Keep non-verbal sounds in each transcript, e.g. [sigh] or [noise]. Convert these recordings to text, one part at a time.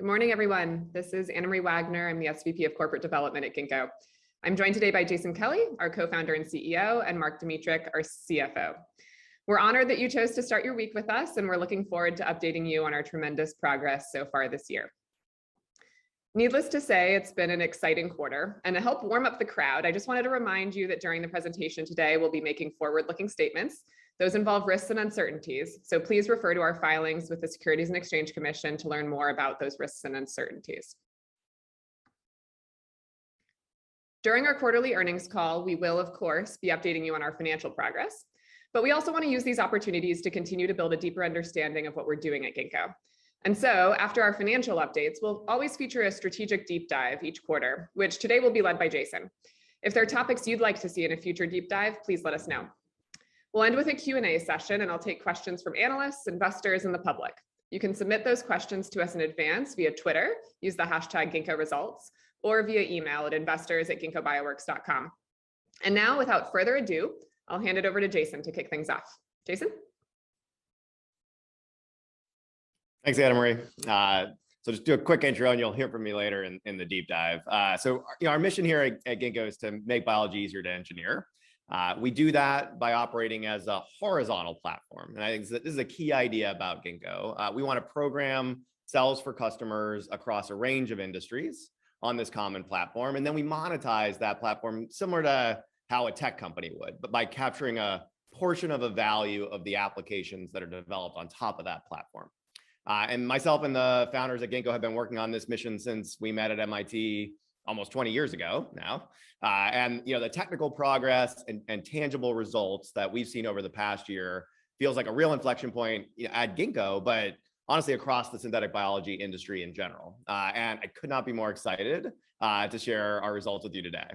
Good morning, everyone. This is Anna Marie Wagner. I'm the SVP of Corporate Development at Ginkgo. I'm joined today by Jason Kelly, our co-founder and CEO, and Mark Dmytruk, our CFO. We're honored that you chose to start your week with us, and we're looking forward to updating you on our tremendous progress so far this year. Needless to say, it's been an exciting quarter, and to help warm up the crowd, I just wanted to remind you that during the presentation today, we'll be making forward-looking statements. Those involve risks and uncertainties, so please refer to our filings with the Securities and Exchange Commission to learn more about those risks and uncertainties. During our quarterly earnings call, we will, of course, be updating you on our financial progress. We also want to use these opportunities to continue to build a deeper understanding of what we're doing at Ginkgo. After our financial updates, we'll always feature a strategic deep dive each quarter, which today will be led by Jason. If there are topics you'd like to see in a future deep dive, please let us know. We'll end with a Q&A session, and I'll take questions from analysts, investors, and the public. You can submit those questions to us in advance via Twitter, use the hashtag Ginkgo Results, or via email at investors@ginkgobioworks.com. Now, without further ado, I'll hand it over to Jason to kick things off. Jason? Thanks, Anna Marie. Just do a quick intro and you'll hear from me later in the deep dive. You know, our mission here at Ginkgo is to make biology easier to engineer. We do that by operating as a horizontal platform. I think this is a key idea about Ginkgo. We wanna program cells for customers across a range of industries on this common platform, and then we monetize that platform similar to how a tech company would, but by capturing a portion of the value of the applications that are developed on top of that platform. Myself and the founders at Ginkgo have been working on this mission since we met at MIT almost 20 years ago now. you know, the technical progress and tangible results that we've seen over the past year feels like a real inflection point, you know, at Ginkgo, but honestly across the synthetic biology industry in general. I could not be more excited to share our results with you today.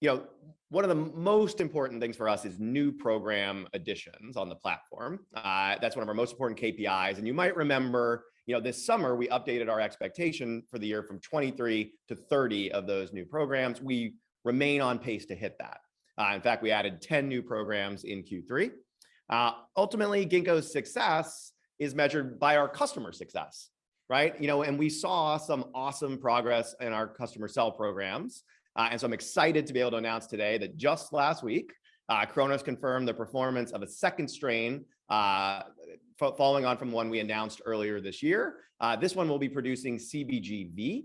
you know, one of the most important things for us is new program additions on the platform. that's one of our most important KPIs. you might remember, you know, this summer we updated our expectation for the year from 2023 to 2030 of those new programs. We remain on pace to hit that. in fact, we added 10 new programs in Q3. ultimately, Ginkgo's success is measured by our customer success, right? You know, and we saw some awesome progress in our customer cell programs. I'm excited to be able to announce today that just last week, Cronos confirmed the performance of a second strain, following on from one we announced earlier this year. This one will be producing CBGV.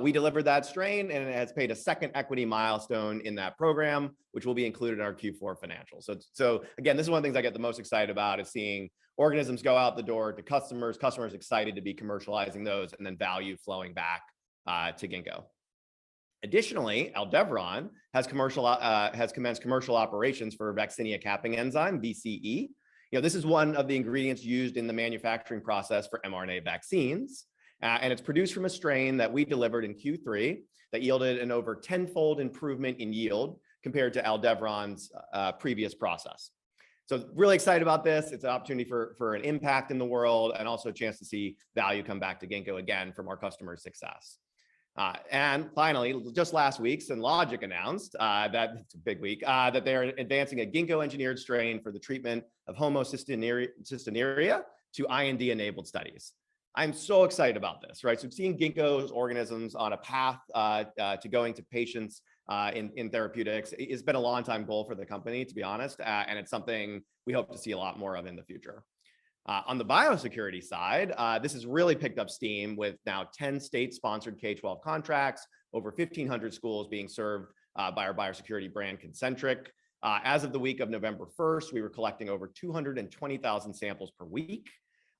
We delivered that strain, and it has paid a second equity milestone in that program, which will be included in our Q4 financials. Again, this is one of the things I get the most excited about is seeing organisms go out the door to customers excited to be commercializing those, and then value flowing back to Ginkgo. Additionally, Aldevron has commenced commercial operations for vaccinia capping enzyme, BCE. You know, this is one of the ingredients used in the manufacturing process for mRNA vaccines, and it's produced from a strain that we delivered in Q3 that yielded an over tenfold improvement in yield compared to Aldevron's previous process. Really excited about this. It's an opportunity for an impact in the world and also a chance to see value come back to Ginkgo again from our customer success. Finally, just last week, Synlogic announced that it's a big week that they're advancing a Ginkgo-engineered strain for the treatment of homocystinuria to IND-enabled studies. I'm so excited about this, right? Seeing Ginkgo's organisms on a path to going to patients in therapeutics, it's been a long time goal for the company, to be honest, and it's something we hope to see a lot more of in the future. On the biosecurity side, this has really picked up steam with now 10 state-sponsored K-12 contracts, over 1,500 schools being served by our biosecurity brand, Concentric. As of the week of November first, we were collecting over 220,000 samples per week.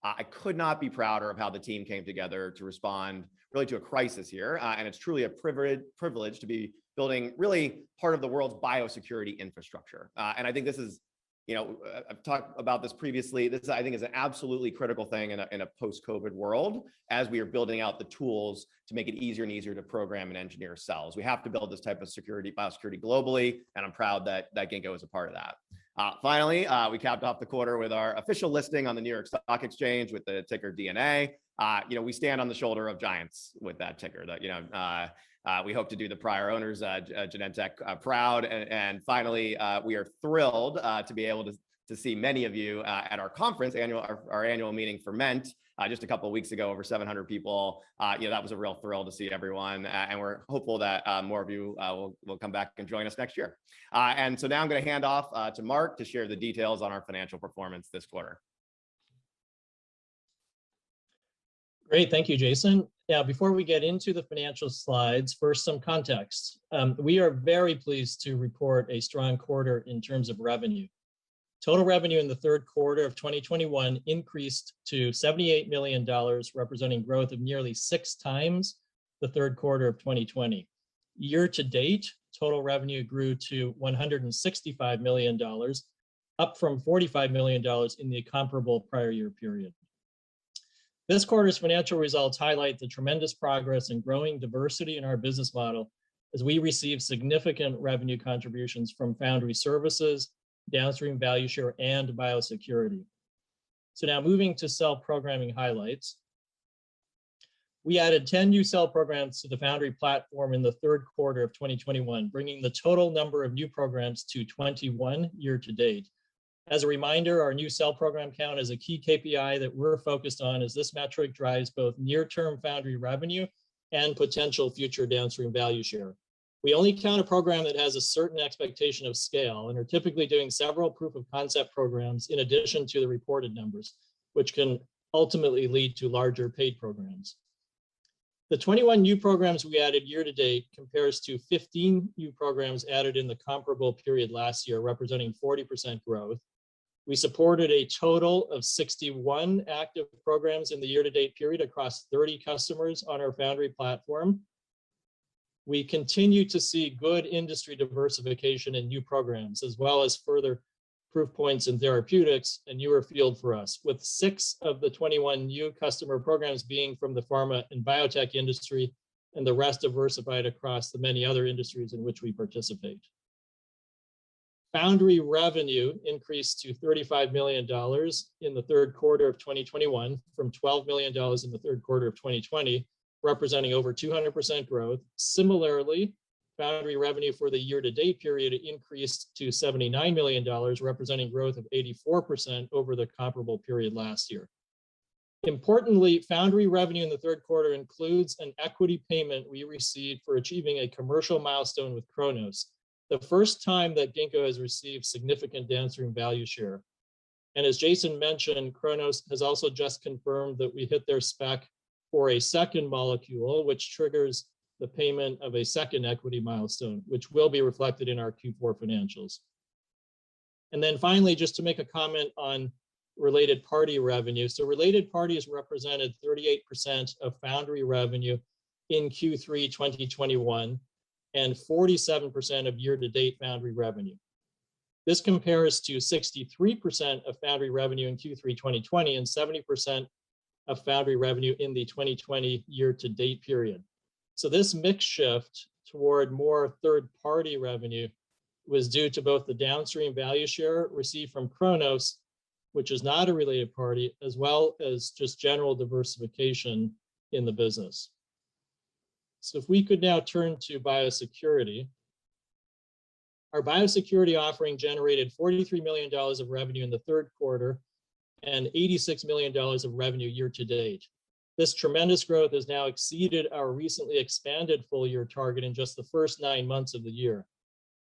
I could not be prouder of how the team came together to respond really to a crisis here. It's truly a privilege to be building really part of the world's biosecurity infrastructure. I think this is, you know, I've talked about this previously. This, I think, is an absolutely critical thing in a post-COVID world as we are building out the tools to make it easier and easier to program and engineer cells. We have to build this type of security, biosecurity globally, and I'm proud that Ginkgo is a part of that. Finally, we capped off the quarter with our official listing on the New York Stock Exchange with the ticker DNA. You know, we stand on the shoulder of giants with that ticker that you know we hope to do the prior owners, Genentech, proud. Finally, we are thrilled to be able to see many of you at our annual conference, Ferment, just a couple weeks ago, over 700 people. Yeah, that was a real thrill to see everyone. We're hopeful that more of you will come back and join us next year. Now I'm gonna hand off to Mark to share the details on our financial performance this quarter. Great. Thank you, Jason. Now, before we get into the financial slides, first some context. We are very pleased to report a strong quarter in terms of revenue. Total revenue in the third quarter of 2021 increased to $78 million, representing growth of nearly 6x the third quarter of 2020. Year to date, total revenue grew to $165 million, up from $45 million in the comparable prior year period. This quarter's financial results highlight the tremendous progress and growing diversity in our business model as we receive significant revenue contributions from foundry services, downstream value share, and biosecurity. Now moving to cell programming highlights. We added 10 new cell programs to the foundry platform in the third quarter of 2021, bringing the total number of new programs to 21 year-to-date. As a reminder, our new cell program count is a key KPI that we're focused on as this metric drives both near-term foundry revenue and potential future downstream value share. We only count a program that has a certain expectation of scale and are typically doing several proof of concept programs in addition to the reported numbers, which can ultimately lead to larger paid programs. The 21 new programs we added year-to-date compares to 15 new programs added in the comparable period last year, representing 40% growth. We supported a total of 61 active programs in the year-to-date period across 30 customers on our foundry platform. We continue to see good industry diversification in new programs as well as further proof points in therapeutics, a newer field for us, with six of the 21 new customer programs being from the pharma and biotech industry and the rest diversified across the many other industries in which we participate. Foundry revenue increased to $35 million in the third quarter of 2021 from $12 million in the third quarter of 2020, representing over 200% growth. Similarly, foundry revenue for the year-to-date period increased to $79 million, representing growth of 84% over the comparable period last year. Importantly, foundry revenue in the third quarter includes an equity payment we received for achieving a commercial milestone with Cronos, the first time that Ginkgo has received significant downstream value share. As Jason mentioned, Cronos has also just confirmed that we hit their spec for a second molecule, which triggers the payment of a second equity milestone, which will be reflected in our Q4 financials. Finally, just to make a comment on related party revenue. Related parties represented 38% of foundry revenue in Q3 2021 and 47% of year-to-date foundry revenue. This compares to 63% of foundry revenue in Q3 2020 and 70% of foundry revenue in the 2020 year-to-date period. This mix shift toward more third-party revenue was due to both the downstream value share received from Cronos, which is not a related party, as well as just general diversification in the business. If we could now turn to biosecurity. Our biosecurity offering generated $43 million of revenue in the third quarter and $86 million of revenue year to date. This tremendous growth has now exceeded our recently expanded full-year target in just the first nine months of the year.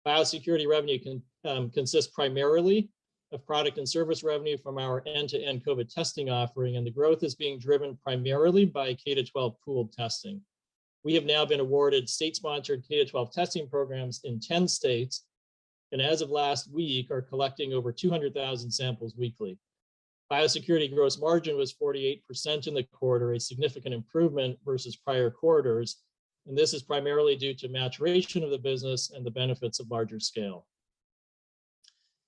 Biosecurity revenue can consist primarily of product and service revenue from our end-to-end COVID testing offering, and the growth is being driven primarily by K-12 pooled testing. We have now been awarded state-sponsored K-12 testing programs in 10 states, and as of last week are collecting over 200,000 samples weekly. Biosecurity gross margin was 48% in the quarter, a significant improvement versus prior quarters, and this is primarily due to maturation of the business and the benefits of larger scale.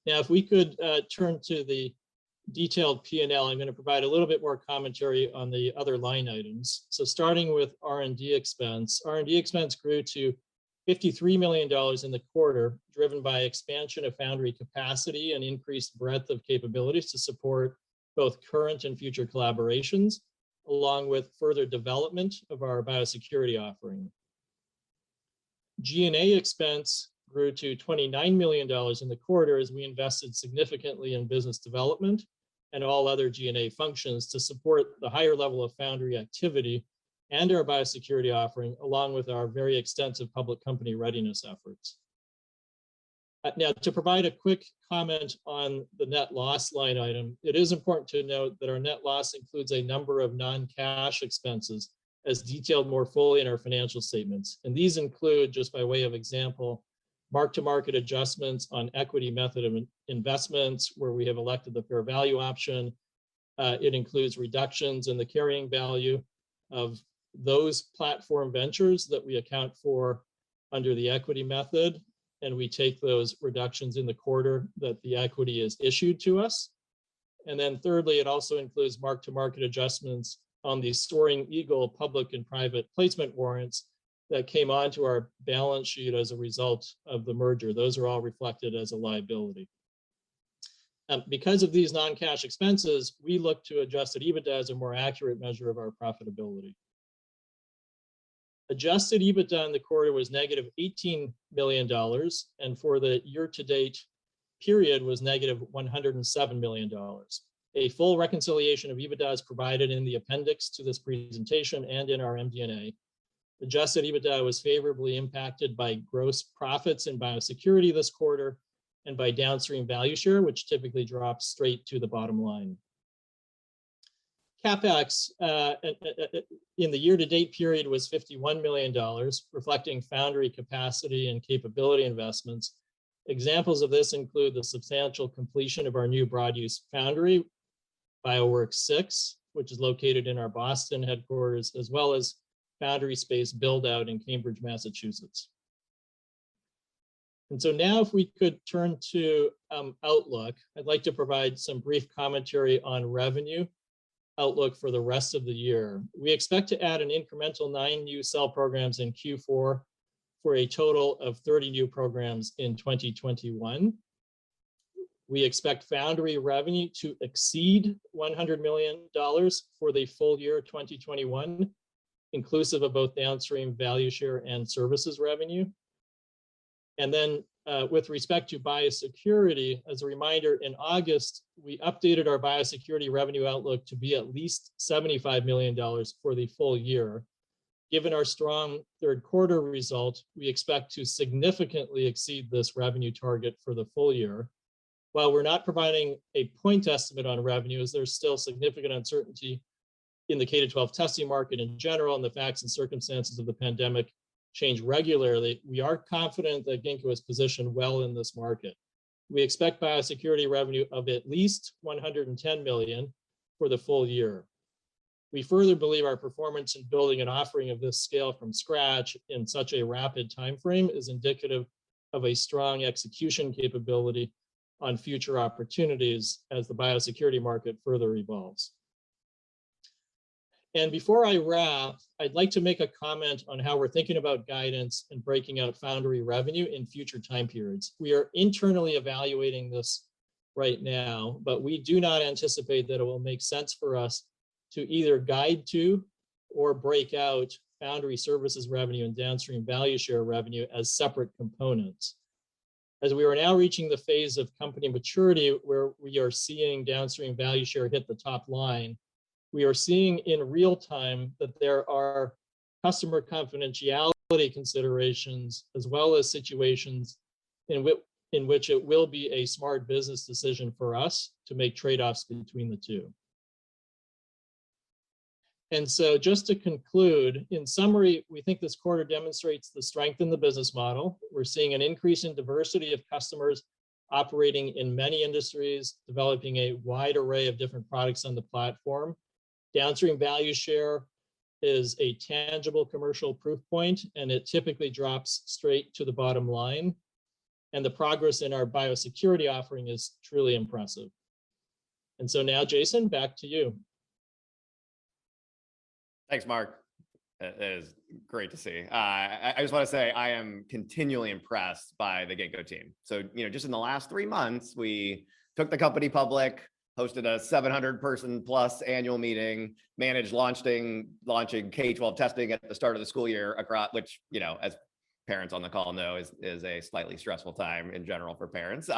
Now if we could turn to the detailed P&L, I'm going to provide a little bit more commentary on the other line items. Starting with R&D expense, R&D expense grew to $53 million in the quarter, driven by expansion of foundry capacity and increased breadth of capabilities to support both current and future collaborations, along with further development of our biosecurity offering. G&A expense grew to $29 million in the quarter as we invested significantly in business development and all other G&A functions to support the higher level of foundry activity and our biosecurity offering, along with our very extensive public company readiness efforts. Now to provide a quick comment on the net loss line item, it is important to note that our net loss includes a number of non-cash expenses as detailed more fully in our financial statements, and these include, just by way of example, mark-to-market adjustments on equity method of investments where we have elected the fair value option. It includes reductions in the carrying value of those platform ventures that we account for under the equity method, and we take those reductions in the quarter that the equity is issued to us. Thirdly, it also includes mark-to-market adjustments on the Soaring Eagle public and private placement warrants that came onto our balance sheet as a result of the merger. Those are all reflected as a liability. Because of these non-cash expenses, we look to Adjusted EBITDA as a more accurate measure of our profitability. Adjusted EBITDA in the quarter was -$18 million, and for the year-to-date period was -$107 million. A full reconciliation of EBITDA is provided in the appendix to this presentation and in our MD&A. Adjusted EBITDA was favorably impacted by gross profits in biosecurity this quarter and by downstream value share, which typically drops straight to the bottom line. CapEx in the year-to-date period was $51 million, reflecting foundry capacity and capability investments. Examples of this include the substantial completion of our new broad-use foundry, Bioworks 6, which is located in our Boston headquarters, as well as foundry space build-out in Cambridge, Massachusetts. Now if we could turn to outlook, I'd like to provide some brief commentary on revenue outlook for the rest of the year. We expect to add an incremental nine new cell programs in Q4 for a total of 30 new programs in 2021. We expect foundry revenue to exceed $100 million for the full year 2021, inclusive of both downstream value share and services revenue. With respect to biosecurity, as a reminder, in August, we updated our biosecurity revenue outlook to be at least $75 million for the full year. Given our strong third quarter result, we expect to significantly exceed this revenue target for the full year. While we're not providing a point estimate on revenue, as there's still significant uncertainty in the K-12 testing market in general and the facts and circumstances of the pandemic change regularly, we are confident that Ginkgo is positioned well in this market. We expect biosecurity revenue of at least $110 million for the full year. We further believe our performance in building an offering of this scale from scratch in such a rapid timeframe is indicative of a strong execution capability on future opportunities as the biosecurity market further evolves. Before I wrap, I'd like to make a comment on how we're thinking about guidance and breaking out foundry revenue in future time periods. We are internally evaluating this right now, but we do not anticipate that it will make sense for us to either guide to or break out foundry services revenue and downstream value share revenue as separate components. As we are now reaching the phase of company maturity where we are seeing downstream value share hit the top line, we are seeing in real time that there are customer confidentiality considerations as well as situations in which it will be a smart business decision for us to make trade-offs between the two. Just to conclude, in summary, we think this quarter demonstrates the strength in the business model. We're seeing an increase in diversity of customers operating in many industries, developing a wide array of different products on the platform. Downstream value share is a tangible commercial proof point, and it typically drops straight to the bottom line. The progress in our biosecurity offering is truly impressive. Now, Jason, back to you. Thanks, Mark. That is great to see. I just wanna say, I am continually impressed by the Ginkgo team. You know, just in the last three months, we took the company public, hosted a 700-person-plus annual meeting, managed launching K-12 testing at the start of the school year across, which, you know, as parents on the call know, is a slightly stressful time in general for parents,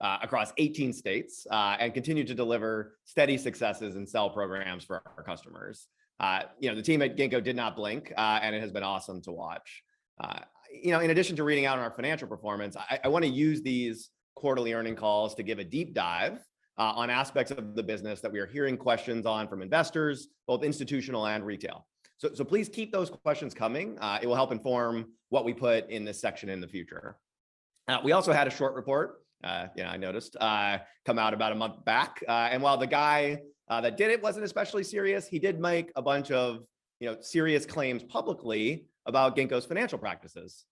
across 18 states, and continued to deliver steady successes in cell programs for our customers. You know, the team at Ginkgo did not blink, and it has been awesome to watch. You know, in addition to reading out on our financial performance, I wanna use these quarterly earnings calls to give a deep dive on aspects of the business that we are hearing questions on from investors, both institutional and retail. So please keep those questions coming. It will help inform what we put in this section in the future. We also had a short report I noticed come out about a month back. While the guy that did it wasn't especially serious, he did make a bunch of, you know, serious claims publicly about Ginkgo's financial practices.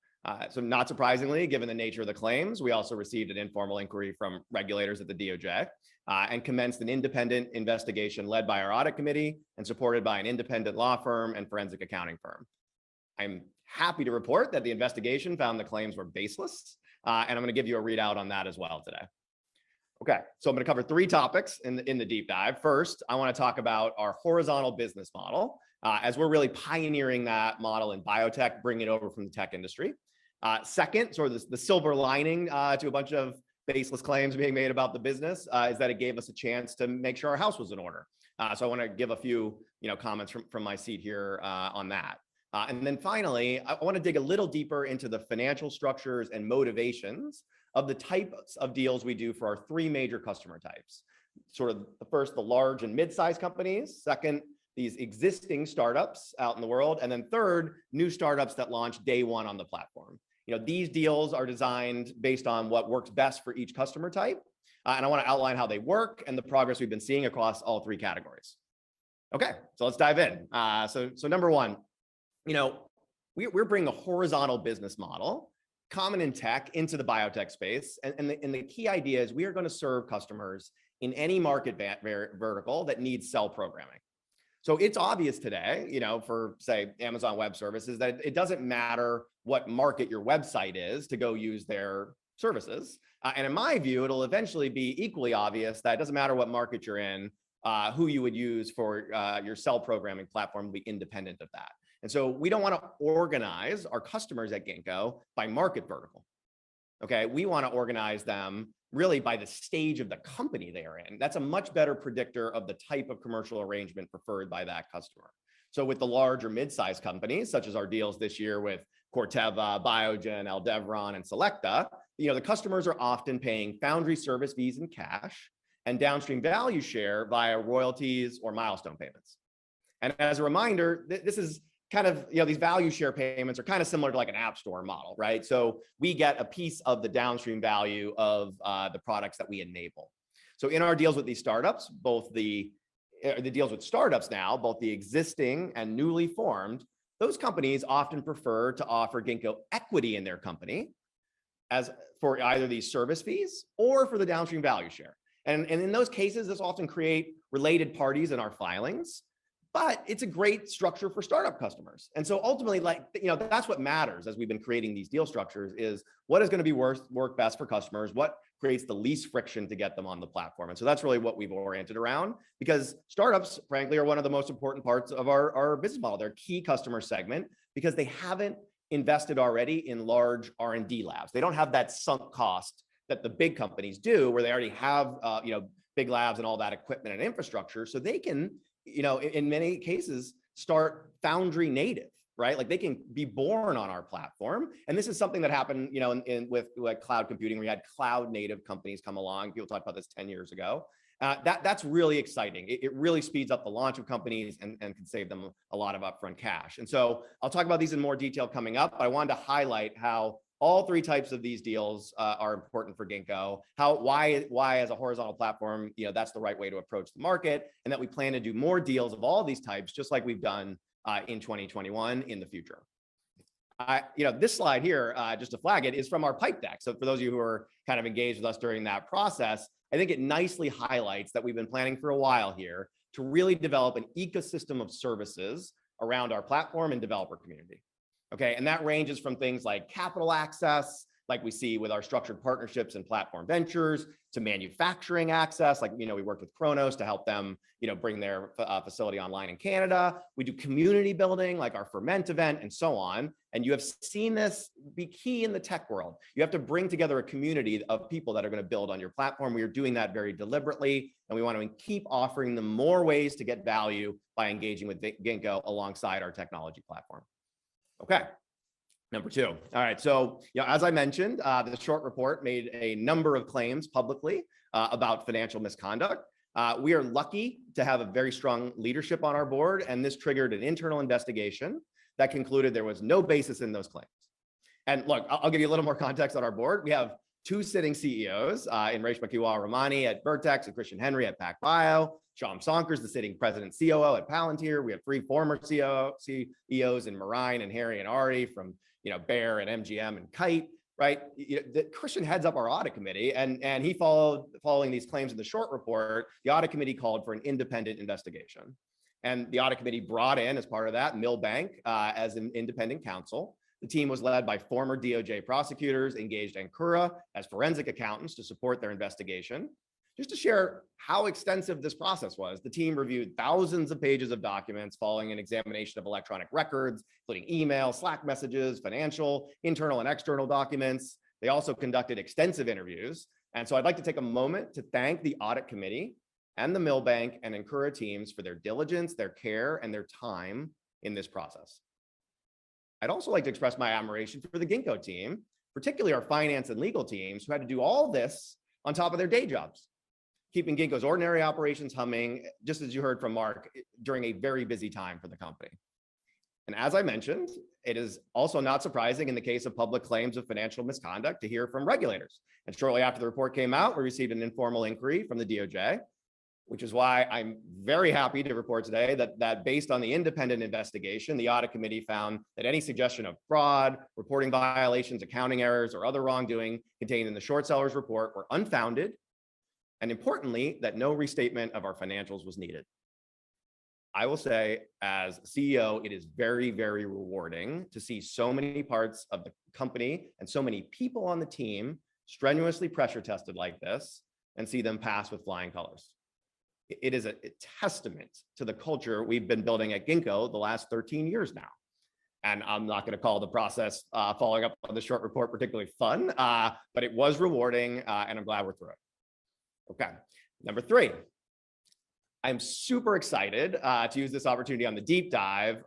Not surprisingly, given the nature of the claims, we also received an informal inquiry from regulators at the DOJ, and commenced an independent investigation led by our audit committee and supported by an independent law firm and forensic accounting firm. I'm happy to report that the investigation found the claims were baseless, and I'm gonna give you a readout on that as well today. I'm gonna cover three topics in the deep dive. First, I wanna talk about our horizontal business model, as we're really pioneering that model in biotech, bringing it over from the tech industry. Second, sort of the silver lining to a bunch of baseless claims being made about the business, is that it gave us a chance to make sure our house was in order. I wanna give a few, you know, comments from my seat here, on that. Then finally, I wanna dig a little deeper into the financial structures and motivations of the types of deals we do for our three major customer types, sort of first, the large and mid-size companies, second, these existing startups out in the world, and then third, new startups that launch day one on the platform. You know, these deals are designed based on what works best for each customer type, and I wanna outline how they work and the progress we've been seeing across all three categories. Okay, let's dive in. Number one, you know, we're bringing a horizontal business model, common in tech, into the biotech space. The key idea is we are gonna serve customers in any market vertical that needs cell programming. It's obvious today, you know, for say, Amazon Web Services, that it doesn't matter what market your website is to go use their services. In my view, it'll eventually be equally obvious that it doesn't matter what market you're in, who you would use for your cell programming platform will be independent of that. We don't wanna organize our customers at Ginkgo by market vertical, okay? We wanna organize them really by the stage of the company they are in. That's a much better predictor of the type of commercial arrangement preferred by that customer. With the large or mid-size companies, such as our deals this year with Corteva, Biogen, Aldevron, and Selecta, you know, the customers are often paying foundry service fees in cash and downstream value share via royalties or milestone payments. As a reminder, this is kind of. You know, these value share payments are kind of similar to like an app store model, right? We get a piece of the downstream value of, the products that we enable. In our deals with these startups, both the existing and newly formed, those companies often prefer to offer Ginkgo equity in their company as for either these service fees or for the downstream value share. In those cases, this often create related parties in our filings. It's a great structure for startup customers. Ultimately, like, you know, that's what matters as we've been creating these deal structures is what is gonna work best for customers, what creates the least friction to get them on the platform. That's really what we've oriented around because startups, frankly, are one of the most important parts of our business model. They're a key customer segment because they haven't invested already in large R&D labs. They don't have that sunk cost that the big companies do, where they already have, you know, big labs and all that equipment and infrastructure, so they can, you know, in many cases, start foundry native, right? Like, they can be born on our platform. This is something that happened, you know, in with, like, cloud computing. We had cloud-native companies come along. People talk about this ten years ago. That's really exciting. It really speeds up the launch of companies and can save them a lot of upfront cash. I'll talk about these in more detail coming up, but I wanted to highlight how all three types of these deals are important for Ginkgo, why as a horizontal platform, you know, that's the right way to approach the market, and that we plan to do more deals of all these types, just like we've done in 2021 in the future. You know, this slide here just to flag it, is from our PIPE deck. For those of you who are kind of engaged with us during that process, I think it nicely highlights that we've been planning for a while here to really develop an ecosystem of services around our platform and developer community. Okay. That ranges from things like capital access, like we see with our structured partnerships and platform ventures, to manufacturing access, like, you know, we worked with Cronos to help them, you know, bring their facility online in Canada. We do community building, like our Ferment event and so on, and you have seen this be key in the tech world. You have to bring together a community of people that are gonna build on your platform. We are doing that very deliberately, and we wanna keep offering them more ways to get value by engaging with Ginkgo alongside our technology platform. Okay, number two. All right, so, you know, as I mentioned, the short report made a number of claims publicly about financial misconduct. We are lucky to have a very strong leadership on our board, and this triggered an internal investigation that concluded there was no basis in those claims. Look, I'll give you a little more context. On our board, we have two sitting CEOs in Reshma Kewalramani at Vertex and Christian Henry at PacBio. Shyam Sankar is the sitting president and COO at Palantir. We have three former CEOs in Marijn Dekkers and Harry E. Sloan and Arie Belldegrun from Bayer and MGM and Kite, you know, right? Christian heads up our audit committee, and following these claims in the short report, the audit committee called for an independent investigation. The audit committee brought in as part of that Milbank as an independent counsel. The team was led by former DOJ prosecutors, engaged Ankura as forensic accountants to support their investigation. Just to share how extensive this process was, the team reviewed thousands of pages of documents following an examination of electronic records, including email, Slack messages, financial, internal and external documents. They also conducted extensive interviews, and so I'd like to take a moment to thank the audit committee and the Milbank and Ankura teams for their diligence, their care, and their time in this process. I'd also like to express my admiration for the Ginkgo team, particularly our finance and legal teams, who had to do all this on top of their day jobs, keeping Ginkgo's ordinary operations humming, just as you heard from Mark, during a very busy time for the company. As I mentioned, it is also not surprising in the case of public claims of financial misconduct to hear from regulators. Shortly after the report came out, we received an informal inquiry from the DOJ, which is why I'm very happy to report today that based on the independent investigation, the audit committee found that any suggestion of fraud, reporting violations, accounting errors, or other wrongdoing contained in the short seller's report were unfounded, and importantly, that no restatement of our financials was needed. I will say as CEO, it is very, very rewarding to see so many parts of the company and so many people on the team strenuously pressure tested like this and see them pass with flying colors. It is a testament to the culture we've been building at Ginkgo the last 13 years now. I'm not gonna call the process following up on the short report particularly fun, but it was rewarding, and I'm glad we're through it. Okay. Number 3, I'm super excited to use this opportunity on the deep dive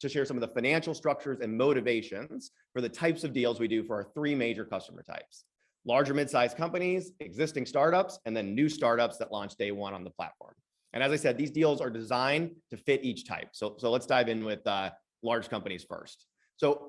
to share some of the financial structures and motivations for the types of deals we do for our three major customer types: large or mid-size companies, existing startups, and then new startups that launch day one on the platform. As I said, these deals are designed to fit each type. Let's dive in with large companies first.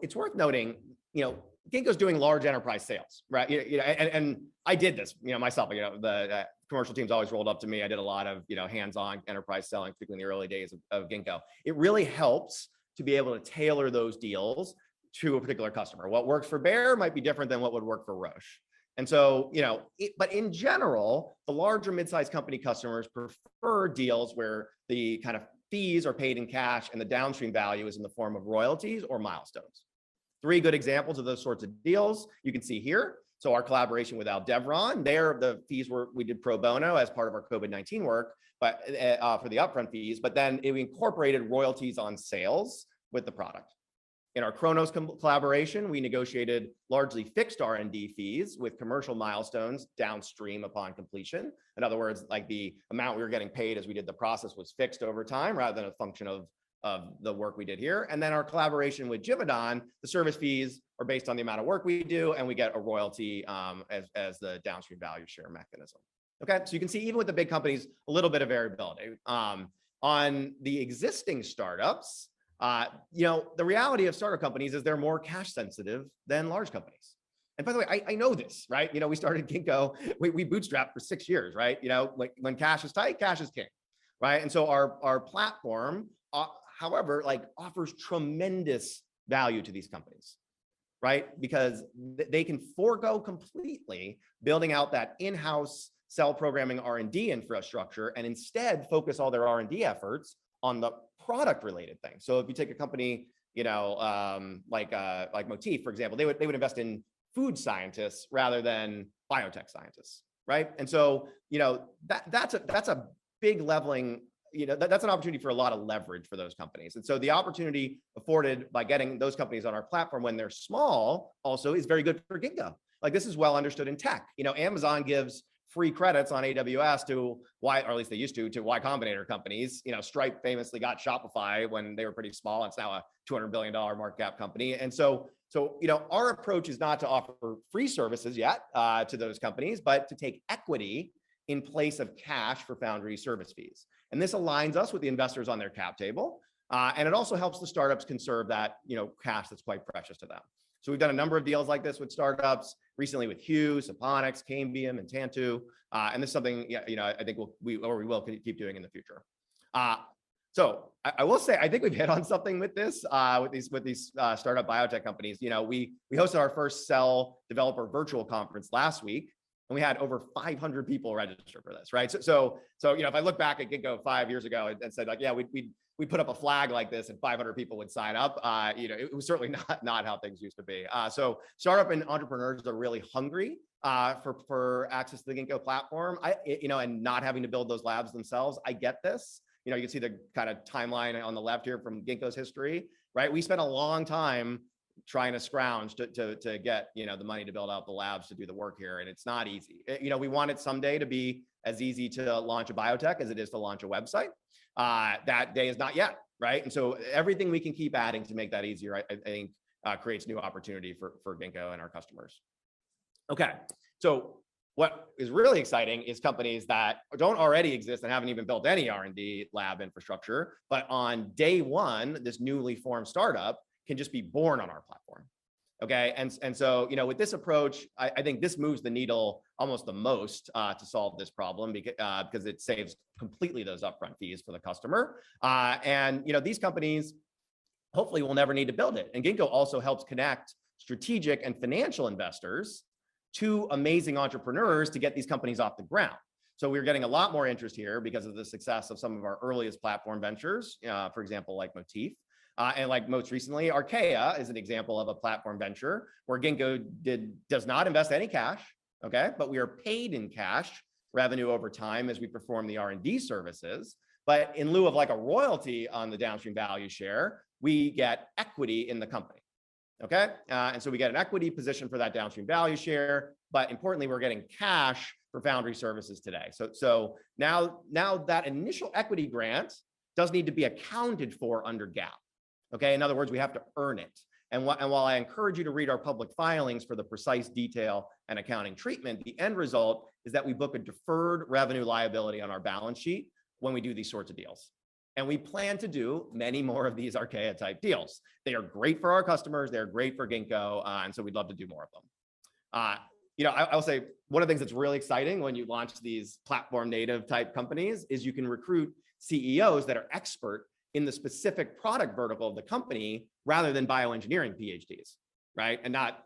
It's worth noting, you know, Ginkgo's doing large enterprise sales, right? You know, I did this myself. You know, the commercial teams always rolled up to me. I did a lot of hands-on enterprise selling, particularly in the early days of Ginkgo. It really helps to be able to tailor those deals to a particular customer. What works for Bayer might be different than what would work for Roche. You know, but in general, the larger mid-size company customers prefer deals where the kind of fees are paid in cash and the downstream value is in the form of royalties or milestones. Three good examples of those sorts of deals you can see here. Our collaboration with Aldevron, there, the fees were we did pro bono as part of our COVID-19 work, but for the upfront fees, but then it incorporated royalties on sales with the product. In our Cronos collaboration, we negotiated largely fixed R&D fees with commercial milestones downstream upon completion. In other words, like, the amount we were getting paid as we did the process was fixed over time rather than a function of the work we did here. Our collaboration with Givaudan, the service fees are based on the amount of work we do, and we get a royalty, as the downstream value share mechanism. Okay, you can see even with the big companies, a little bit of variability. On the existing startups, you know, the reality of startup companies is they're more cash sensitive than large companies. By the way, I know this, right? You know, we started Ginkgo, we bootstrapped for six years, right? You know, like, when cash is tight, cash is king, right? Our platform, however, like, offers tremendous value to these companies. Right? Because they can forego completely building out that in-house cell programming R&D infrastructure, and instead focus all their R&D efforts on the product related things. If you take a company, you know, like Motif for example, they would invest in food scientists rather than biotech scientists, right? You know, that's a big leveling, you know, that's an opportunity for a lot of leverage for those companies. The opportunity afforded by getting those companies on our platform when they're small also is very good for Ginkgo. Like, this is well understood in tech. You know, Amazon gives free credits on AWS to Y Combinator or at least they used to Y Combinator companies. You know, Stripe famously got Shopify when they were pretty small, it's now a $200 billion market cap company. You know, our approach is not to offer free services yet to those companies, but to take equity in place of cash for foundry service fees. This aligns us with the investors on their cap table, and it also helps the startups conserve that, you know, cash that's quite precious to them. We've done a number of deals like this with startups. Recently with Huue, Synphonix, Cambium, and Tantu. That's something, yeah, you know, I think we will keep doing in the future. I will say, I think we've hit on something with this, with these startup biotech companies. You know, we hosted our first cell developer virtual conference last week, and we had over 500 people register for this, right? You know, if I look back at Ginkgo five years ago and said like, "Yeah, we put up a flag like this and 500 people would sign up," you know, it was certainly not how things used to be. Startups and entrepreneurs are really hungry for access to the Ginkgo platform. You know, and not having to build those labs themselves. I get this. You know, you can see the kind of timeline on the left here from Ginkgo's history, right? We spent a long time trying to scrounge to get you know the money to build out the labs to do the work here, and it's not easy. You know, we wanted someday to be as easy to launch a biotech as it is to launch a website. That day is not yet, right? Everything we can keep adding to make that easier, I think, creates new opportunity for Ginkgo and our customers. What is really exciting is companies that don't already exist and haven't even built any R&D lab infrastructure, but on day one, this newly formed startup can just be born on our platform. You know, with this approach, I think this moves the needle almost the most to solve this problem because it saves completely those upfront fees for the customer. You know, these companies hopefully will never need to build it. Ginkgo also helps connect strategic and financial investors to amazing entrepreneurs to get these companies off the ground. We're getting a lot more interest here because of the success of some of our earliest platform ventures, for example, like Motif, and like most recently, Arcaea is an example of a platform venture where Ginkgo does not invest any cash, okay? But we are paid in cash revenue over time as we perform the R&D services. But in lieu of, like, a royalty on the downstream value share, we get equity in the company, okay? And so we get an equity position for that downstream value share, but importantly, we're getting cash for foundry services today. Now that initial equity grant does need to be accounted for under GAAP, okay? In other words, we have to earn it. While I encourage you to read our public filings for the precise detail and accounting treatment, the end result is that we book a deferred revenue liability on our balance sheet when we do these sorts of deals. We plan to do many more of these Arcaea type deals. They are great for our customers, they are great for Ginkgo, and so we'd love to do more of them. You know, I'll say one of the things that's really exciting when you launch these platform native type companies is you can recruit CEOs that are expert in the specific product vertical of the company rather than bioengineering PhDs, right? Not,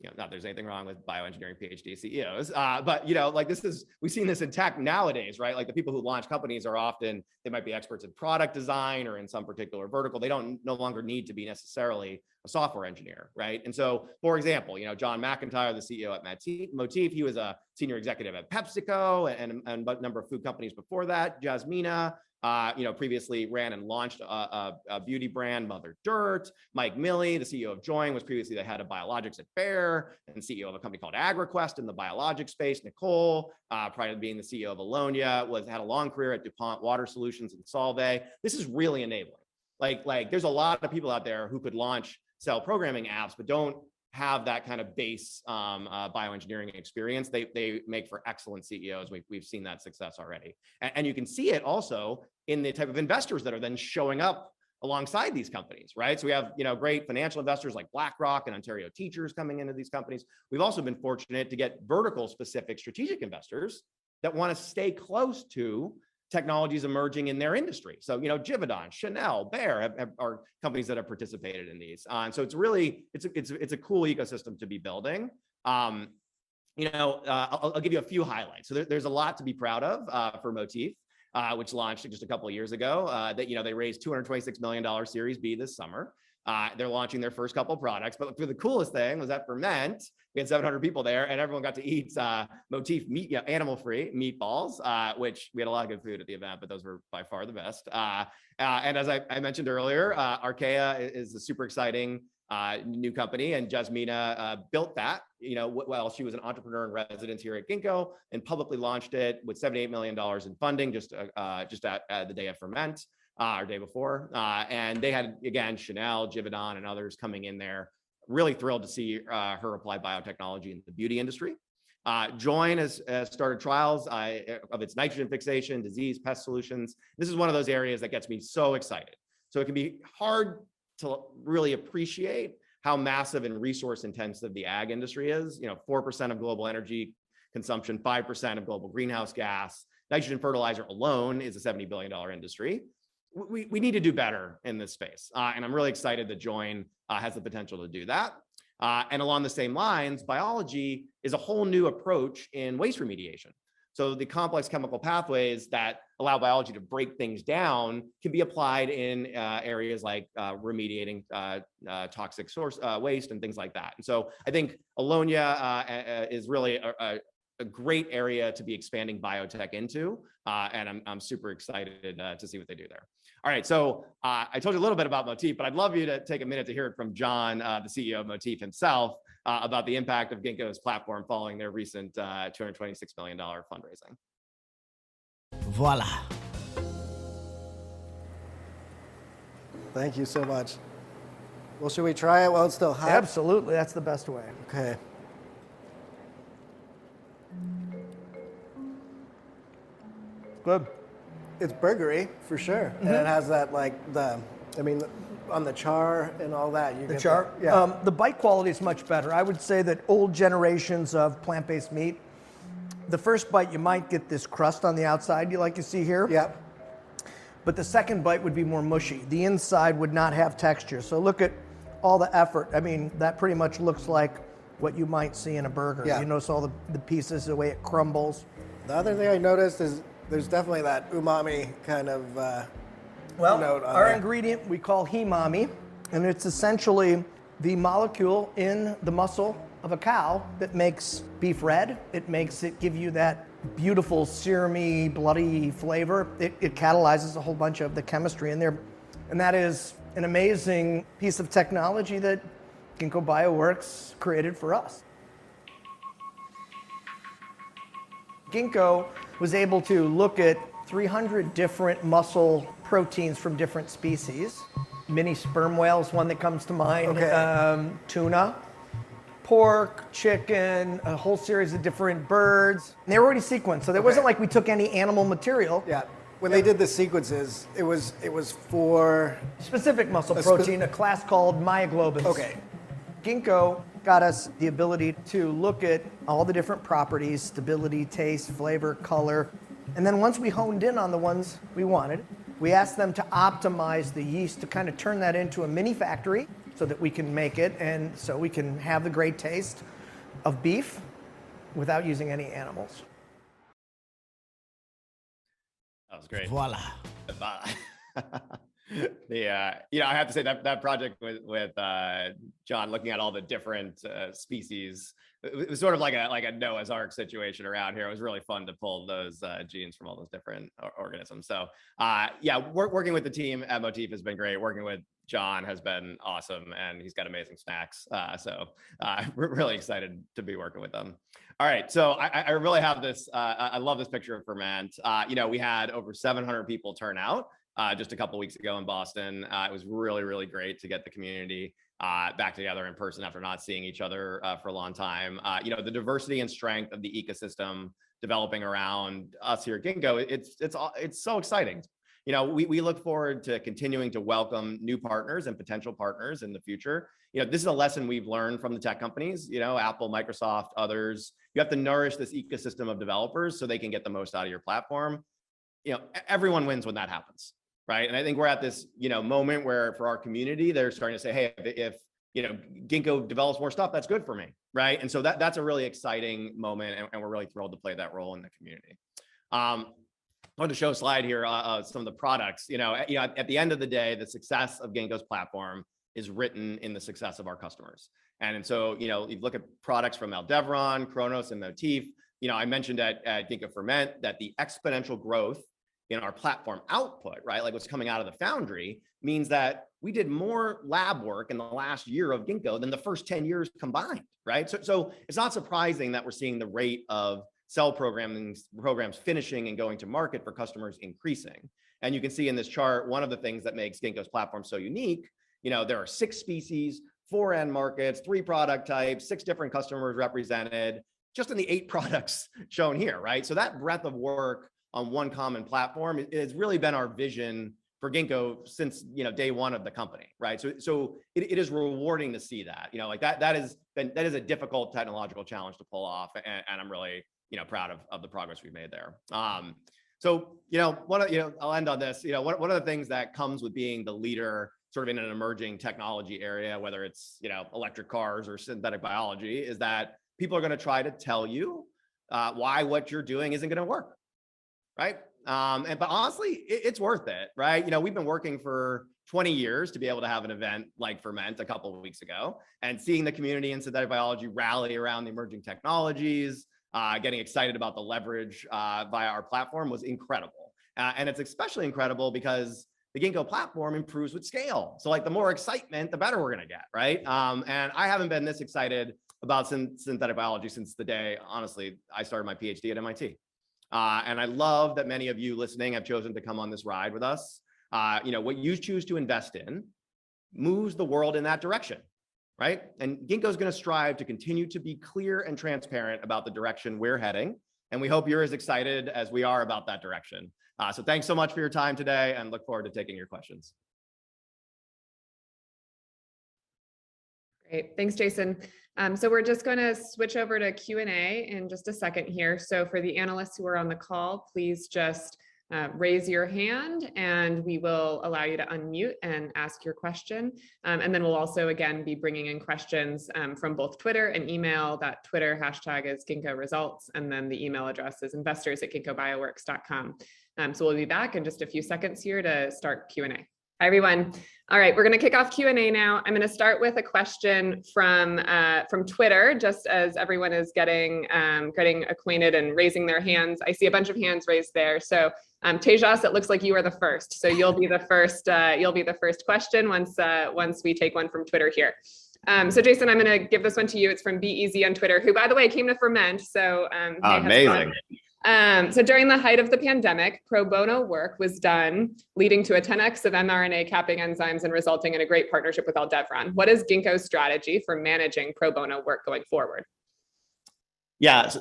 you know, that there's anything wrong with bioengineering PhD CEOs. But, you know, like this is. We've seen this in tech nowadays, right? Like, the people who launch companies are often, they might be experts in product design or in some particular vertical, they don't no longer need to be necessarily a software engineer, right? For example, you know, Jon McIntyre, the CEO at Motif, he was a senior executive at PepsiCo and a number of food companies before that. Jasmina Aganovic, you know, previously ran and launched a beauty brand, Mother Dirt. Mike Miille, the CEO of Joyn, was previously the head of biologics at Bayer and CEO of a company called AgraQuest in the biologics space. Nicole, prior to being the CEO of Allonnia, had a long career at DuPont Water Solutions and Solvay. This is really enabling. Like, there's a lot of people out there who could launch cell programming apps, but don't have that kind of base bioengineering experience. They make for excellent CEOs. We've seen that success already. You can see it also in the type of investors that are then showing up alongside these companies, right? We have, you know, great financial investors like BlackRock and Ontario Teachers coming into these companies. We've also been fortunate to get vertical specific strategic investors that wanna stay close to technologies emerging in their industry. You know, Givaudan, Chanel, Bayer are companies that have participated in these. It's really a cool ecosystem to be building. You know, I'll give you a few highlights. There's a lot to be proud of for Motif, which launched just a couple of years ago. They, you know, raised $226 million series B this summer. They're launching their first couple products. The coolest thing was that Ferment, we had 700 people there, and everyone got to eat Motif meat, animal-free meatballs, which we had a lot of good food at the event, but those were by far the best. And as I mentioned earlier, Arcaea is a super exciting new company, and Jasmina built that, you know, while she was an entrepreneur in residence here at Ginkgo, and publicly launched it with $78 million in funding just at the day of Ferment, or day before. They had, again, Chanel, Givaudan, and others coming in there. Really thrilled to see her apply biotechnology in the beauty industry. Joyn has started trials of its nitrogen fixation, disease, pest solutions. This is one of those areas that gets me so excited. It can be hard to really appreciate how massive and resource intensive the ag industry is. You know, 4% of global energy consumption, 5% of global greenhouse gas. Nitrogen fertilizer alone is a $70 billion industry. We need to do better in this space. I'm really excited that Joyn has the potential to do that. Along the same lines, biology is a whole new approach in waste remediation. The complex chemical pathways that allow biology to break things down can be applied in areas like remediating toxic waste, and things like that. I think Allonnia is really a great area to be expanding biotech into, and I'm super excited to see what they do there. All right, I told you a little bit about Motif, but I'd love you to take a minute to hear it from Jon, the CEO of Motif himself, about the impact of Ginkgo's platform following their recent $226 million fundraising. Voila. Thank you so much. Well, should we try it while it's still hot? Absolutely, that's the best way. Okay. It's good. It's burgeoning, for sure. Mm-hmm. I mean, on the chart and all that, you can The chair? Yeah. The bite quality's much better. I would say that old generations of plant-based meat, the first bite you might get this crust on the outside you like you see here. Yep. The second bite would be more mushy. The inside would not have texture. Look at all the effort. I mean, that pretty much looks like what you might see in a burger. Yeah. You notice all the pieces, the way it crumbles. The other thing I noticed is there's definitely that umami kind of. Well- Note on it.... our ingredient we call HEMAMI, and it's essentially the molecule in the muscle of a cow that makes beef red. It makes it give you that beautiful sear-y, bloody flavor. It catalyzes a whole bunch of the chemistry in there, and that is an amazing piece of technology that Ginkgo Bioworks created for us. Ginkgo was able to look at 300 different muscle proteins from different species. Mini sperm whale's one that comes to mind. Okay. Tuna, pork, chicken, a whole series of different birds, and they're already sequenced. It wasn't like we took any animal material. Yeah. When they did the sequences, it was for... Specific muscle protein. A spec- A class called myoglobin. Okay. Ginkgo got us the ability to look at all the different properties, stability, taste, flavor, color, and then once we honed in on the ones we wanted, we asked them to optimize the yeast to kinda turn that into a mini factory so that we can make it, and so we can have the great taste of beef without using any animals. That was great. Voila. Yeah. You know, I have to say that project with John looking at all the different species, it was sort of like a Noah's Ark situation around here. It was really fun to pull those genes from all those different organisms. So, yeah, working with the team at Motif has been great. Working with Jon has been awesome, and he's got amazing snacks, so, we're really excited to be working with him. All right, so I really have this. I love this picture of Ferment. You know, we had over 700 people turn out just a couple weeks ago in Boston. It was really great to get the community back together in person after not seeing each other for a long time. You know, the diversity and strength of the ecosystem developing around us here at Ginkgo, it's so exciting. You know, we look forward to continuing to welcome new partners and potential partners in the future. You know, this is a lesson we've learned from the tech companies, you know, Apple, Microsoft, others. You have to nourish this ecosystem of developers so they can get the most out of your platform. You know, everyone wins when that happens, right? I think we're at this, you know, moment where for our community they're starting to say, "Hey, if, you know, Ginkgo develops more stuff, that's good for me," right? So that's a really exciting moment and we're really thrilled to play that role in the community. Wanted to show a slide here of some of the products. You know, at the end of the day, the success of Ginkgo's platform is written in the success of our customers. you know, you look at products from Aldevron, Cronos, and Motif. You know, I mentioned at Ginkgo Ferment that the exponential growth in our platform output, right, like what's coming out of the foundry, means that we did more lab work in the last year of Ginkgo than the first 10 years combined, right? it's not surprising that we're seeing the rate of cell programmings, programs finishing and going to market for customers increasing. you can see in this chart one of the things that makes Ginkgo's platform so unique, you know, there are six species, four end markets, three product types, six different customers represented, just in the eight products shown here, right? That breadth of work on one common platform has really been our vision for Ginkgo since, you know, day one of the company, right? It is rewarding to see that. You know, like that is a difficult technological challenge to pull off and I'm really, you know, proud of the progress we've made there. You know, one of... You know, I'll end on this. You know, one of the things that comes with being the leader sort of in an emerging technology area, whether it's, you know, electric cars or synthetic biology, is that people are gonna try to tell you why what you're doing isn't gonna work, right? But honestly, it's worth it, right? You know, we've been working for 20 years to be able to have an event like Ferment a couple of weeks ago, and seeing the community in synthetic biology rally around the emerging technologies, getting excited about the leverage via our platform was incredible. It's especially incredible because the Ginkgo platform improves with scale, so, like, the more excitement, the better we're gonna get, right? I haven't been this excited about synthetic biology since the day, honestly, I started my PhD at MIT. I love that many of you listening have chosen to come on this ride with us. You know, what you choose to invest in moves the world in that direction, right? Ginkgo's gonna strive to continue to be clear and transparent about the direction we're heading, and we hope you're as excited as we are about that direction. Thanks so much for your time today and we look forward to taking your questions. Great. Thanks Jason. We're just gonna switch over to Q&A in just a second here. For the analysts who are on the call, please just raise your hand and we will allow you to unmute and ask your question. Then we'll also again be bringing in questions from both Twitter and email. That Twitter hashtag is Ginkgo Results, and then the email address is investors@ginkgobioworks.com. We'll be back in just a few seconds here to start Q&A. Hi everyone. All right, we're gonna kick off Q&A now. I'm gonna start with a question from from Twitter just as everyone is getting getting acquainted and raising their hands. I see a bunch of hands raised there. Tejas, it looks like you are the first. You'll be the first question once we take one from Twitter here. Jason, I'm gonna give this one to you. It's from BEZ on Twitter, who by the way, came to Ferment. BEZ- Amazing During the height of the pandemic, pro bono work was done leading to a 10X of mRNA capping enzymes and resulting in a great partnership with Aldevron. What is Ginkgo's strategy for managing pro bono work going forward? This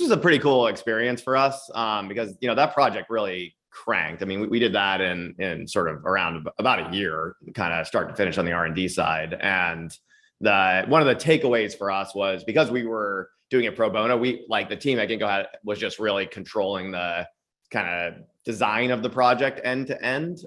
was a pretty cool experience for us, because, you know, that project really cranked. I mean, we did that in sort of around about a year, kinda start to finish on the R&D side. One of the takeaways for us was because we were doing it pro bono, like, the team at Ginkgo was just really controlling the kinda design of the project end to end.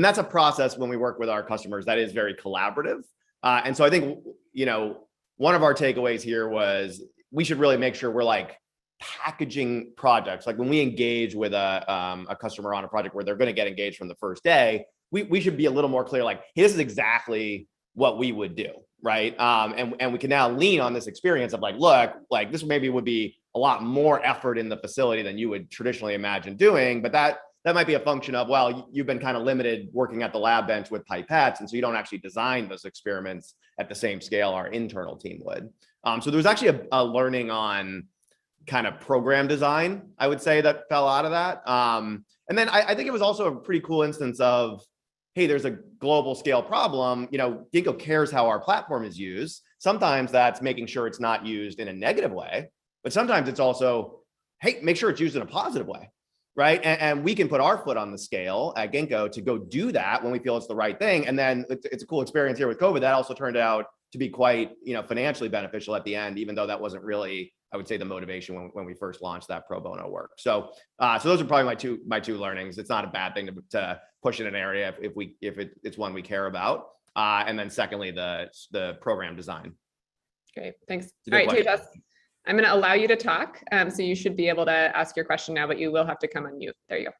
That's a process when we work with our customers that is very collaborative. I think, you know, one of our takeaways here was we should really make sure we're like packaging projects. Like when we engage with a customer on a project where they're gonna get engaged from the first day, we should be a little more clear. Like, "Here's exactly what we would do," right? We can now lean on this experience of like, look, like this maybe would be a lot more effort in the facility than you would traditionally imagine doing, but that might be a function of, well, you've been kinda limited working at the lab bench with pipettes, and so you don't actually design those experiments at the same scale our internal team would. There was actually a learning on kinda program design, I would say, that fell out of that. I think it was also a pretty cool instance of, hey, there's a global scale problem, you know, Ginkgo cares how our platform is used. Sometimes that's making sure it's not used in a negative way, but sometimes it's also, hey, make sure it's used in a positive way, right? We can put our foot on the scale at Ginkgo to go do that when we feel it's the right thing, and then it's a cool experience here with COVID that also turned out to be quite, you know, financially beneficial at the end, even though that wasn't really, I would say, the motivation when we first launched that pro bono work. Those are probably my two learnings. It's not a bad thing to push in an area if it's one we care about. Then secondly the program design. Great. Thanks. It's a good point. All right, Tejas, I'm gonna allow you to talk, so you should be able to ask your question now, but you will have to come off mute. There you go.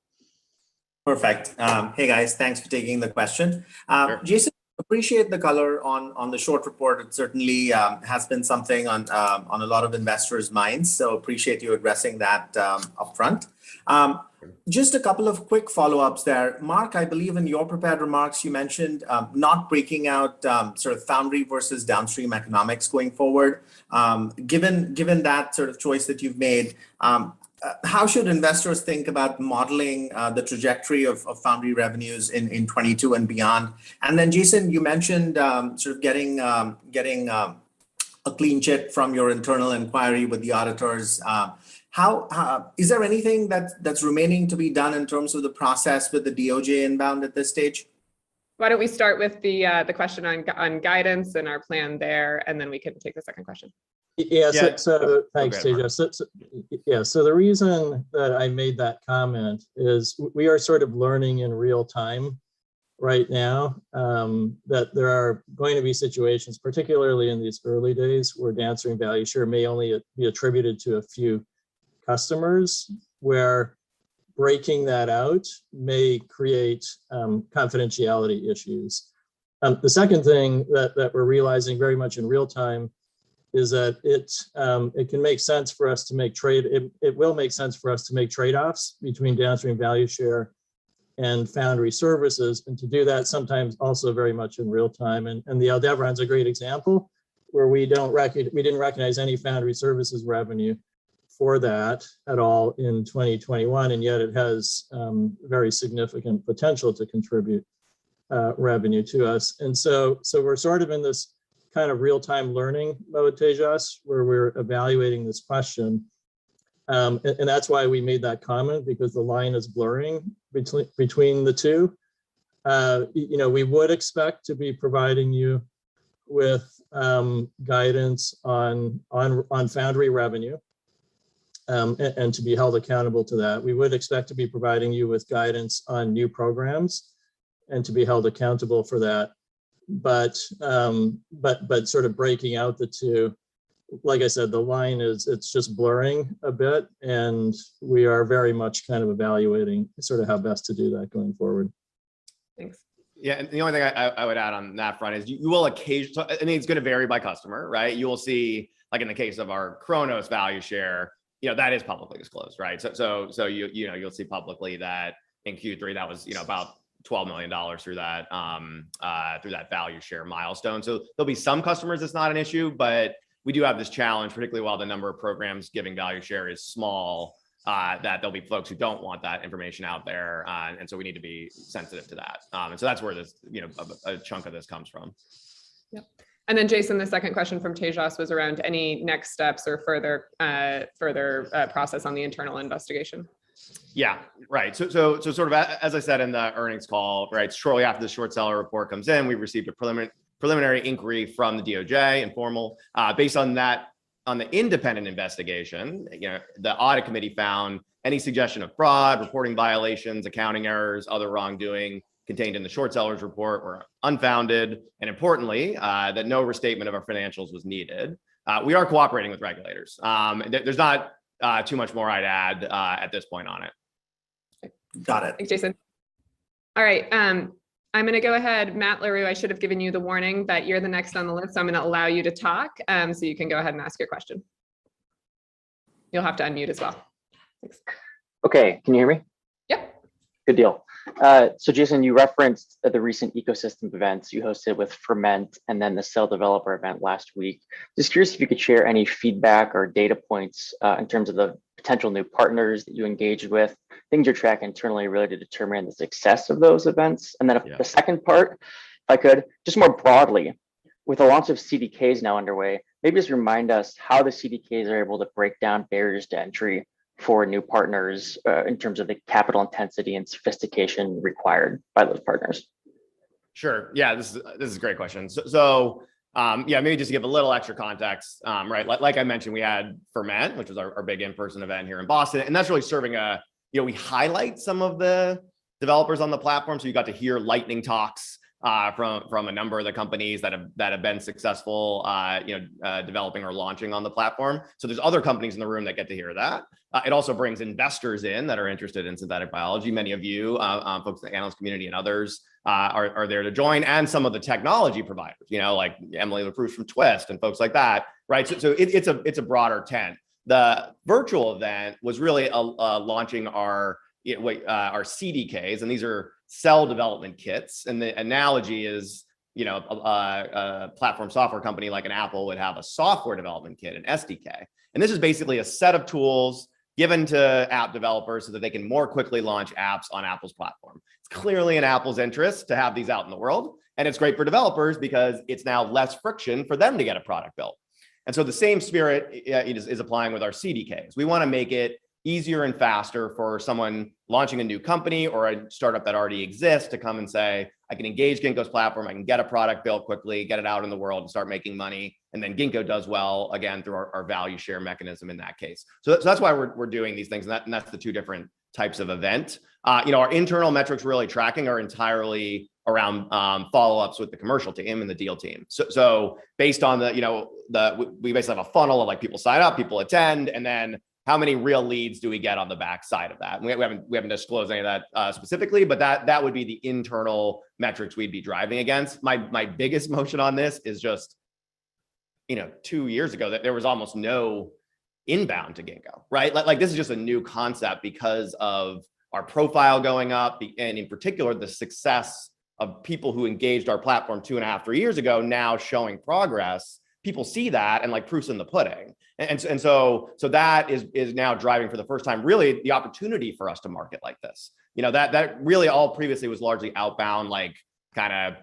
Perfect. Hey guys. Thanks for taking the question. Sure. Jason, appreciate the color on the short report. It certainly has been something on a lot of investors' minds. Appreciate you addressing that upfront just a couple of quick follow-ups there. Mark, I believe in your prepared remarks, you mentioned not breaking out sort of foundry versus downstream economics going forward. Given that sort of choice that you've made, how should investors think about modeling the trajectory of foundry revenues in 2022 and beyond? Jason, you mentioned sort of getting a clean chit from your internal inquiry with the auditors. How is there anything that's remaining to be done in terms of the process with the DOJ inbound at this stage? Why don't we start with the question on guidance and our plan there, and then we can take the second question. [crosstalk] Thanks Tejas. Yeah, the reason that I made that comment is we are sort of learning in real time right now that there are going to be situations, particularly in these early days, where downstream value share may only be attributed to a few customers, where breaking that out may create confidentiality issues. The second thing that we're realizing very much in real time is that it will make sense for us to make trade-offs between downstream value share and foundry services, and to do that sometimes also very much in real time. Aldevron is a great example, where we didn't recognize any foundry services revenue for that at all in 2021, and yet it has very significant potential to contribute revenue to us. We're sort of in this kind of real time learning mode, Tejas, where we're evaluating this question. That's why we made that comment, because the line is blurring between the two. You know, we would expect to be providing you with guidance on foundry revenue and to be held accountable to that. We would expect to be providing you with guidance on new programs and to be held accountable for that sort of breaking out the two, like I said, the line is, it's just blurring a bit and we are very much kind of evaluating sort of how best to do that going forward. Thanks. Yeah, the only thing I would add on that front is you will occasionally. I mean, it's gonna vary by customer, right? You'll see, like in the case of our Cronos value share, you know, that is publicly disclosed, right? You know, you'll see publicly that in Q3 that was, you know, about $12 million through that value share milestone. There'll be some customers it's not an issue, but we do have this challenge, particularly while the number of programs giving value share is small, that there'll be folks who don't want that information out there. We need to be sensitive to that. That's where this, you know, a chunk of this comes from. Yep. Jason, the second question from Tejas was around any next steps or further process on the internal investigation. Yeah, right. As I said in the earnings call, right, shortly after the short seller report comes in, we received a preliminary inquiry from the DOJ, informal. Based on that on the independent investigation, again, the Audit Committee found any suggestion of fraud, reporting violations, accounting errors, other wrongdoing contained in the short sellers' report were unfounded, and importantly, that no restatement of our financials was needed. We are cooperating with regulators. There's not too much more I'd add at this point on it. Got it. Thanks, Jason. All right. I'm gonna go ahead. Matt Larew, I should have given you the warning, but you're the next on the list, so I'm gonna allow you to talk. So you can go ahead and ask your question. You'll have to unmute as well. Thanks. Okay. Can you hear me? Yep. Good deal. Jason, you referenced the recent ecosystem events you hosted with Ferment and then the cell developer event last week. Just curious if you could share any feedback or data points, in terms of the potential new partners that you engaged with, things you track internally really to determine the success of those events. Yeah. The second part, if I could, just more broadly, with the launch of CDKs now underway, maybe just remind us how the CDKs are able to break down barriers to entry for new partners, in terms of the capital intensity and sophistication required by those partners? Sure. Yeah. This is a great question. Yeah, maybe just to give a little extra context, right, like I mentioned, we had Ferment, which was our big in-person event here in Boston, and that's really serving as you know, we highlight some of the developers on the platform, so you got to hear lightning talks from a number of the companies that have been successful you know developing or launching on the platform. There's other companies in the room that get to hear that. It also brings investors in that are interested in synthetic biology. Many of you folks in the analyst community and others are there to join, and some of the technology providers, you know, like Emily Leproust from Twist and folks like that, right? It's a broader tent. The virtual event was really a launching our CDKs, and these are cell development kits. The analogy is a platform software company like Apple would have a software development kit, an SDK. This is basically a set of tools given to app developers so that they can more quickly launch apps on Apple's platform. It's clearly in Apple's interest to have these out in the world, and it's great for developers because it's now less friction for them to get a product built. The same spirit is applying with our CDKs. We want to make it easier and faster for someone launching a new company or a startup that already exists to come and say, "I can engage Ginkgo's platform. I can get a product built quickly, get it out in the world, and start making money." Then Ginkgo does well, again, through our value share mechanism in that case. That's why we're doing these things, and that's the two different types of event. You know, our internal metrics really tracking are entirely around follow-ups with the commercial team and the deal team. So based on the, you know, the. We basically have a funnel of, like, people sign up, people attend, and then how many real leads do we get on the backside of that? We haven't disclosed any of that specifically, but that would be the internal metrics we'd be driving against. My biggest motion on this is just, you know, two years ago there was almost no inbound to Ginkgo, right? Like this is just a new concept because of our profile going up and, in particular, the success of people who engaged our platform two and a half, three years ago now showing progress. People see that, and like, proof's in the pudding. So that is now driving for the first time really the opportunity for us to market like this. You know, that really all previously was largely outbound, like, kinda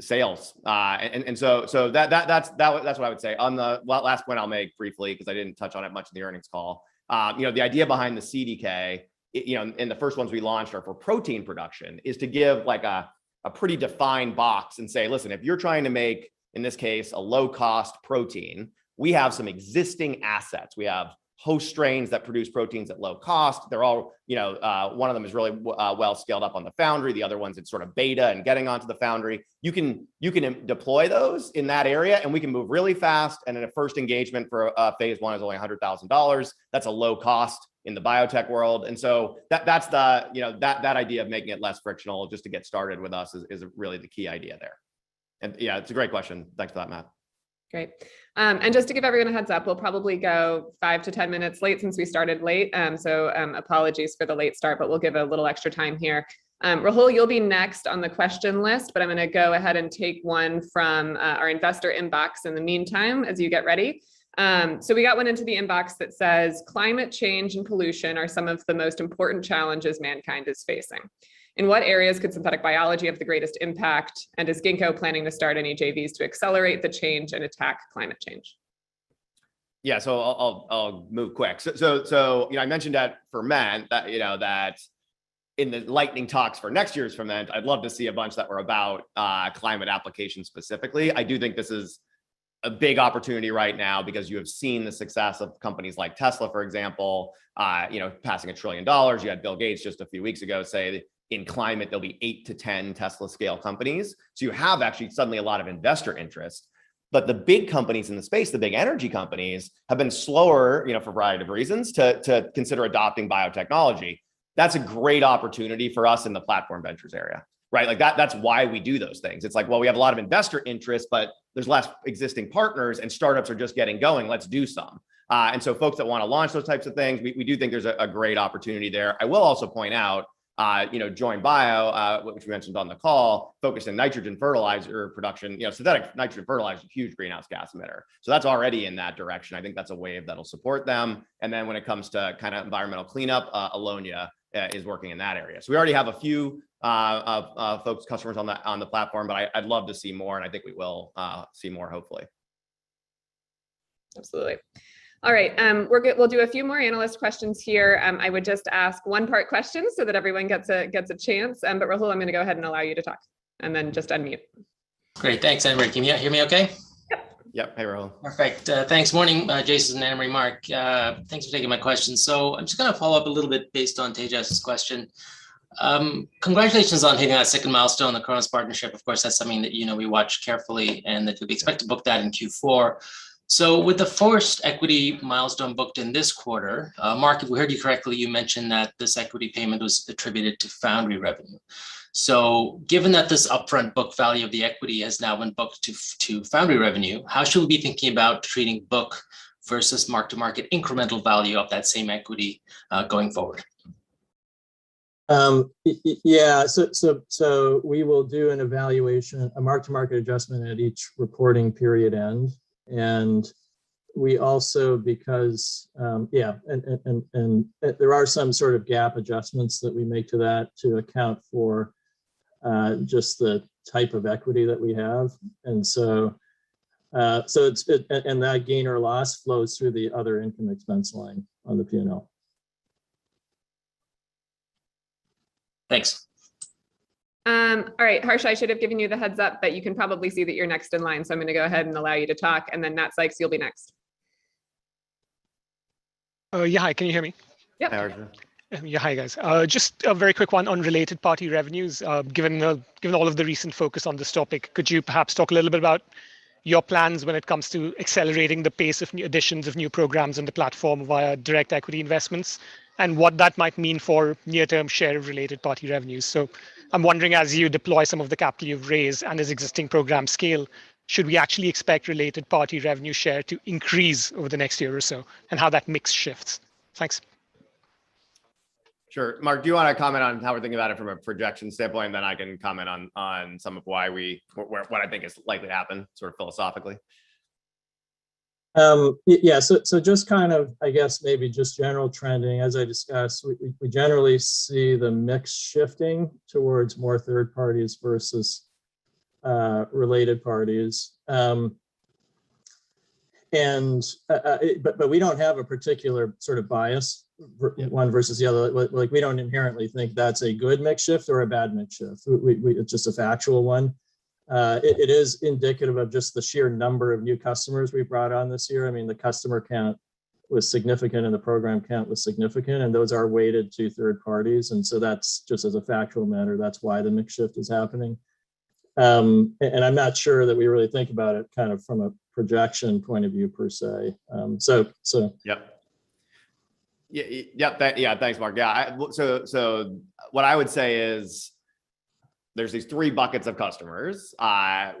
sales. So that's what I would say. One last point I'll make briefly, 'cause I didn't touch on it much in the earnings call. You know, the idea behind the CDK, you know, and the first ones we launched are for protein production, is to give, like a pretty defined box and say, "Listen, if you're trying to make, in this case, a low-cost protein, we have some existing assets. We have host strains that produce proteins at low cost. They're all, you know, one of them is really well scaled up on the foundry. The other one's, it's sort of beta and getting onto the foundry. You can deploy those in that area, and we can move really fast. Then a first engagement for phase one is only $100,000. That's a low cost in the biotech world that's the, you know, that idea of making it less frictional just to get started with us is really the key idea there. Yeah, it's a great question. Thanks for that, Matt. Great. And just to give everyone a heads up, we'll probably go five to 10 minutes late since we started late. Apologies for the late start, but we'll give a little extra time here. Rahul, you'll be next on the question list, but I'm gonna go ahead and take one from our investor inbox in the meantime as you get ready. We got one into the inbox that says, "Climate change and pollution are some of the most important challenges mankind is facing. In what areas could synthetic biology have the greatest impact, and is Ginkgo planning to start any JVs to accelerate the change and attack climate change? Yeah, I'll move quick. You know, I mentioned at Ferment that in the lightning talks for next year's Ferment, I'd love to see a bunch that were about climate applications specifically. I do think this is a big opportunity right now because you have seen the success of companies like Tesla, for example, you know, passing $1 trillion. You had Bill Gates just a few weeks ago say that in climate there'll be eight to 10 Tesla scale companies. You have actually suddenly a lot of investor interest, but the big companies in the space, the big energy companies, have been slower, you know, for a variety of reasons, to consider adopting biotechnology. That's a great opportunity for us in the platform ventures area, right? Like, that's why we do those things. It's like, well, we have a lot of investor interest, but there's less existing partners and startups are just getting going. Let's do some. Folks that wanna launch those types of things, we do think there's a great opportunity there. I will also point out, you know, Joyn Bio, which we mentioned on the call, focused on nitrogen fertilizer production. You know, synthetic nitrogen fertilizer is a huge greenhouse gas emitter. That's already in that direction. I think that's a wave that'll support them. When it comes to kinda environmental cleanup, Allonnia is working in that area. We already have a few of our folks, customers on the platform, but I'd love to see more, and I think we will see more hopefully. Absolutely. All right. We'll do a few more analyst questions here. I would just ask one part questions so that everyone gets a chance. Rahul, I'm gonna go ahead and allow you to talk, and then just unmute. Great. Thanks, Anna Marie. Can you hear me okay? Yep. Hey, Rahul. Perfect. Thanks. Morning, Jason, Anna Marie, Mark. Thanks for taking my questions. I'm just gonna follow up a little bit based on Tejas' question. Congratulations on hitting that second milestone, the Cronos partnership, of course, that's something that, you know, we watch carefully and that we expect to book that in Q4. With the first equity milestone booked in this quarter, Mark, if we heard you correctly, you mentioned that this equity payment was attributed to foundry revenue. Given that this upfront book value of the equity has now been booked to foundry revenue, how should we be thinking about treating book versus mark-to-market incremental value of that same equity, going forward? We will do an evaluation, a mark-to-market adjustment at each reporting period end. We also make some sort of GAAP adjustments to that to account for just the type of equity that we have. That gain or loss flows through the other income & expense line on the P&L. Thanks. All right. Harsha, I should have given you the heads up, but you can probably see that you're next in line, so I'm gonna go ahead and allow you to talk, and then, Matthew Sykes, you'll be next. Oh, yeah. Hi, can you hear me? Yep. Hi, Harsha. Yeah. Hi, guys. Just a very quick one on related party revenues. Given all of the recent focus on this topic, could you perhaps talk a little bit about your plans when it comes to accelerating the pace of new additions, of new programs in the platform via direct equity investments and what that might mean for near-term share of related party revenues? So I'm wondering, as you deploy some of the capital you've raised and as existing program scale, should we actually expect related party revenue share to increase over the next year or so, and how that mix shifts? Thanks. Sure. Mark, do you wanna comment on how we're thinking about it from a projection standpoint? I can comment on some of what I think is likely to happen sort of philosophically. Just kind of, I guess maybe just general trending as I discussed, we generally see the mix shifting towards more third parties versus related parties. We don't have a particular sort of bias towards one versus the other. Like, we don't inherently think that's a good mix shift or a bad mix shift. It's just a factual one. It is indicative of just the sheer number of new customers we brought on this year. I mean, the customer count was significant and the program count was significant, and those are weighted to third parties. That's just as a factual matter, that's why the mix shift is happening. I'm not sure that we really think about it kind of from a projection point of view per se. Um, so...Yep. Yeah, yep. Yeah, thanks, Mark. Yeah. What I would say is there's these three buckets of customers, and I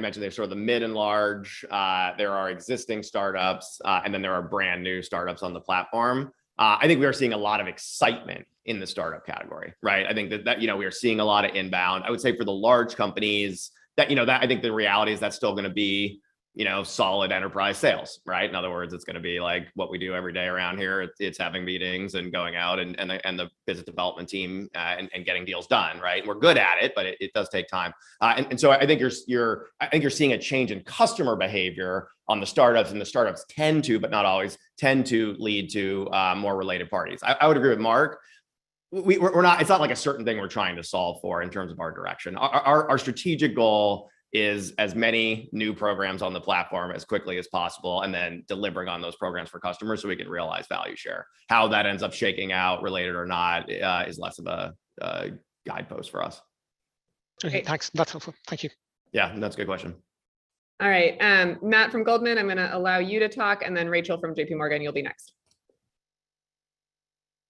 mentioned they're sort of the mid and large. There are existing startups, and then there are brand new startups on the platform. I think we are seeing a lot of excitement in the startup category, right? I think that, you know, we are seeing a lot of inbound. I would say for the large companies that, you know, I think the reality is that's still gonna be, you know, solid enterprise sales, right? In other words, it's gonna be like what we do every day around here. It's having meetings and going out and the business development team and getting deals done, right? We're good at it, but it does take time. I think you're seeing a change in customer behavior on the startups, and the startups tend to, but not always, tend to lead to more related parties. I would agree with Mark. It's not like a certain thing we're trying to solve for in terms of our direction. Our strategic goal is as many new programs on the platform as quickly as possible and then delivering on those programs for customers so we can realize value share. How that ends up shaking out related or not is less of a guidepost for us. Okay, thanks. That's helpful. Thank you. Yeah. No, that's a good question. All right. Matt from Goldman Sachs, I'm gonna allow you to talk, and then Rachel from J.P. Morgan,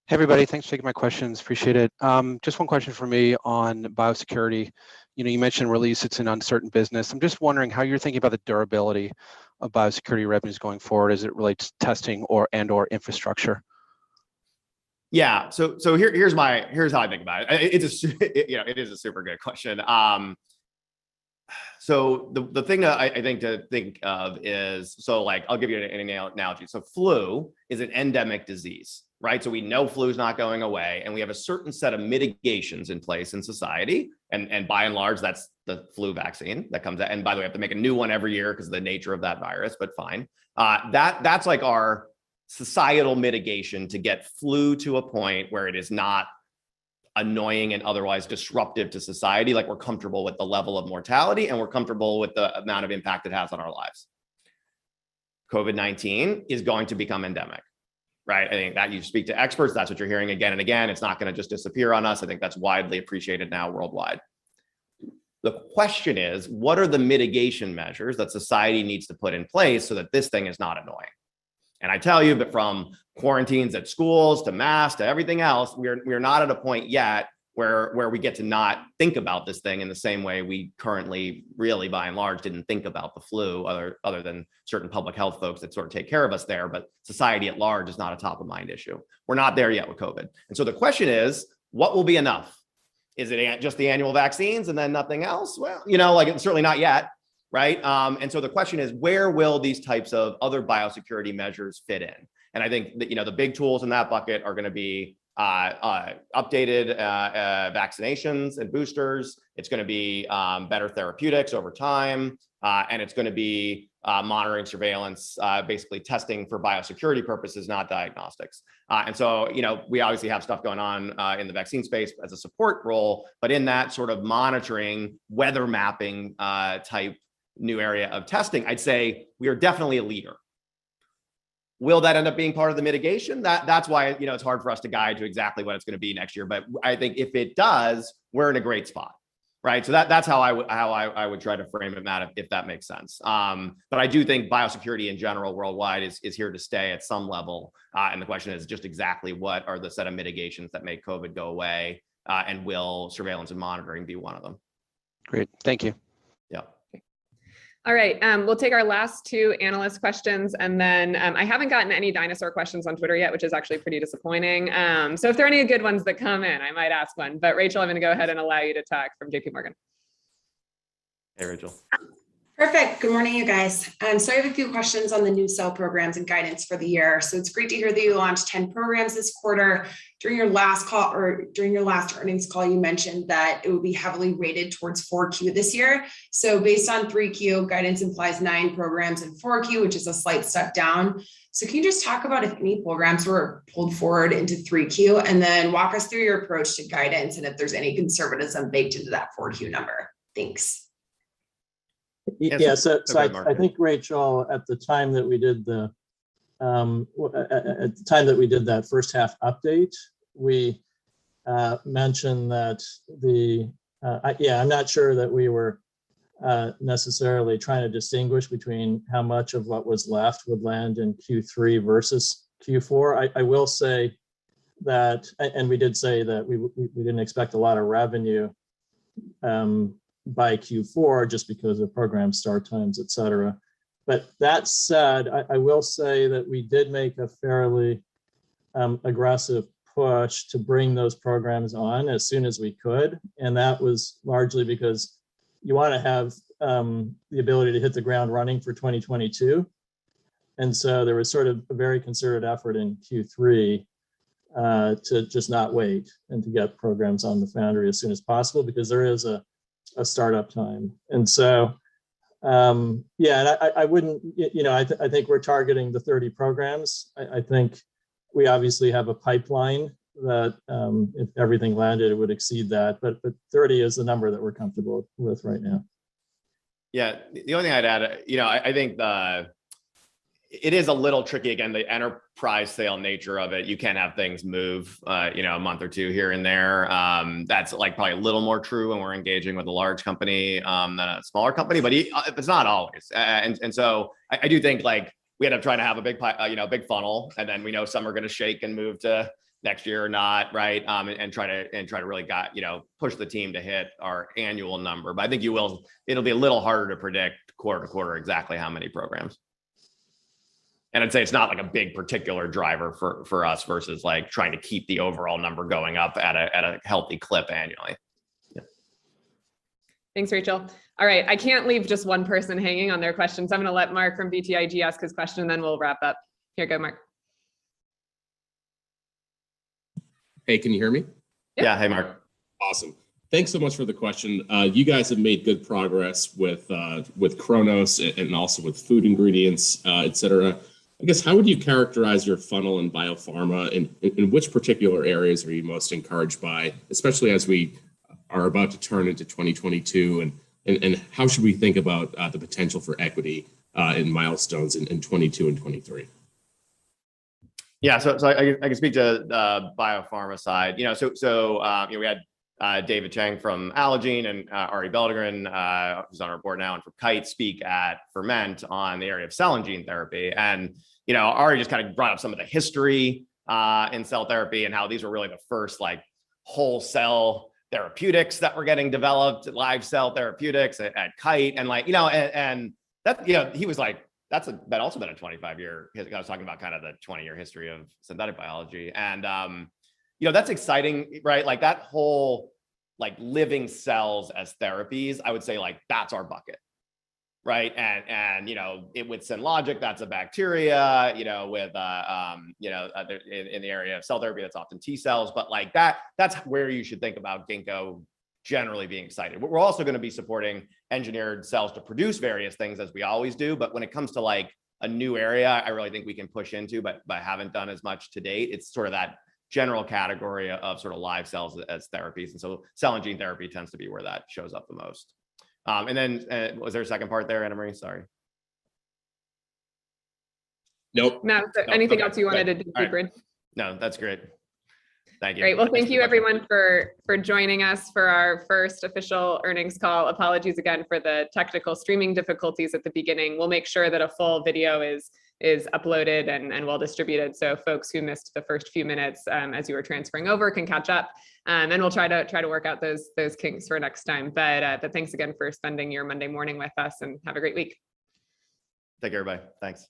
you'll be next. Hey, everybody. Thanks for taking my questions. Appreciate it. Just one question from me on biosecurity. You know, you mentioned release, it's an uncertain business. I'm just wondering how you're thinking about the durability of biosecurity revenues going forward as it relates to testing and/or infrastructure. Yeah. Here's how I think about it. It is, you know, a super good question. The thing that I think of is, like I'll give you an analogy. Flu is an endemic disease, right? We know flu is not going away, and we have a certain set of mitigations in place in society. By and large, that's the flu vaccine that comes out. By the way, we have to make a new one every year because the nature of that virus, but fine. That's like our societal mitigation to get flu to a point where it is not annoying and otherwise disruptive to society. Like we're comfortable with the level of mortality, and we're comfortable with the amount of impact it has on our lives. COVID-19 is going to become endemic, right? I think that you speak to experts, that's what you're hearing again and again. It's not gonna just disappear on us. I think that's widely appreciated now worldwide. The question is, what are the mitigation measures that society needs to put in place so that this thing is not annoying? I tell you that from quarantines at schools to masks to everything else, we're not at a point yet where we get to not think about this thing in the same way we currently really, by and large, didn't think about the flu other than certain public health folks that sort of take care of us there, but society at large is not a top of mind issue. We're not there yet with COVID. The question is, what will be enough? Is it just the annual vaccines and then nothing else? Well, you know, like certainly not yet, right? The question is, where will these types of other biosecurity measures fit in? I think that, you know, the big tools in that bucket are gonna be updated vaccinations and boosters. It's gonna be better therapeutics over time. It's gonna be monitoring surveillance, basically testing for biosecurity purposes, not diagnostics. You know, we obviously have stuff going on in the vaccine space as a support role, but in that sort of monitoring, weather mapping type new area of testing, I'd say we are definitely a leader. Will that end up being part of the mitigation? That's why, you know, it's hard for us to guide to exactly what it's gonna be next year. I think if it does, we're in a great spot, right? That's how I would try to frame it, Matt, if that makes sense. I do think biosecurity in general worldwide is here to stay at some level. The question is just exactly what are the set of mitigations that make COVID go away, and will surveillance and monitoring be one of them? Great. Thank you. Yep. All right. We'll take our last two analyst questions, and then, I haven't gotten any dinosaur questions on Twitter yet, which is actually pretty disappointing. If there are any good ones that come in, I might ask one. Rachel, I'm gonna go ahead and allow you to talk from J.P. Morgan. Hey, Rachel. Perfect. Good morning, you guys. I have a few questions on the new cell programs and guidance for the year. It's great to hear that you launched 10 programs this quarter. During your last call or during your last earnings call, you mentioned that it would be heavily weighted towards 4Q this year. Based on 3Q, guidance implies 9 programs in 4Q, which is a slight step down. Can you just talk about if any programs were pulled forward into 3Q? Walk us through your approach to guidance and if there's any conservatism baked into that 4Q number. Thanks. Yeah, so I th- Go ahead, Mark. I think, Rachel, at the time that we did that first half update, we mentioned that yeah, I'm not sure that we were necessarily trying to distinguish between how much of what was left would land in Q3 versus Q4. I will say that we did say that we didn't expect a lot of revenue by Q4 just because of program start times, et cetera. That said, I will say that we did make a fairly aggressive push to bring those programs on as soon as we could, and that was largely because you wanna have the ability to hit the ground running for 2022. There was sort of a very concerted effort in Q3 to just not wait and to get programs on the foundry as soon as possible because there is a startup time. Yeah, I think we're targeting the 30 programs. I think we obviously have a pipeline that if everything landed, it would exceed that. But 30 is the number that we're comfortable with right now. Yeah. The only thing I'd add, you know, I think it is a little tricky. Again, the enterprise sale nature of it, you can have things move, you know, a month or two here and there. That's like probably a little more true when we're engaging with a large company than a smaller company, but it's not always. I do think like we end up trying to have a big funnel, and then we know some are gonna shake and move to next year or not, right? Try to really push the team to hit our annual number. I think it'll be a little harder to predict quarter to quarter exactly how many programs. I'd say it's not like a big particular driver for us versus like trying to keep the overall number going up at a healthy clip annually. Yeah. Thanks, Rachel. All right, I can't leave just one person hanging on their questions. I'm gonna let Mark from BTIG ask his question, and then we'll wrap up. Here you go, Mark. Hey, can you hear me? Yeah. Hey, Mark. Awesome. Thanks so much for the question. You guys have made good progress with Cronos and also with food ingredients, et cetera. I guess, how would you characterize your funnel in biopharma, and in which particular areas are you most encouraged by, especially as we are about to turn into 2022? How should we think about the potential for equity in milestones in 2022 and 2023? I can speak to the biopharma side. You know, we had David Chang from Allogene Therapeutics and Arie Belldegrun, who's on our board now and from Kite Pharma, speak at Ferment on the area of cell and gene therapy. You know, Arie Belldegrun just kinda brought up some of the history in cell therapy and how these were really the first, like, wholesale therapeutics that were getting developed, live cell therapeutics at Kite Pharma. Like, you know, and that, you know, he was like, "That's also been a 25-year..." He was kinda talking about kinda the 20-year history of synthetic biology. You know, that's exciting, right? Like, that whole, like, living cells as therapies, I would say, like, that's our bucket, right? You know, with Synlogic, that's a bacteria, you know, with other in the area of cell therapy that's often T-cells. Like, that's where you should think about Ginkgo generally being excited. We're also gonna be supporting engineered cells to produce various things, as we always do. When it comes to, like, a new area I really think we can push into but haven't done as much to date, it's sorta that general category of sorta live cells as therapies. Cell and gene therapy tends to be where that shows up the most. Was there a second part there, Anna Marie? Sorry. Nope. No. No. Okay. Is there anything else you wanted to deep read? All right. No, that's great. Thank you. Great. Well, thank you everyone for joining us for our first official earnings call. Apologies again for the technical streaming difficulties at the beginning. We'll make sure that a full video is uploaded and well distributed so folks who missed the first few minutes as you were transferring over can catch up. We'll try to work out those kinks for next time. Thanks again for spending your Monday morning with us, and have a great week. Thank you, everybody. Thanks.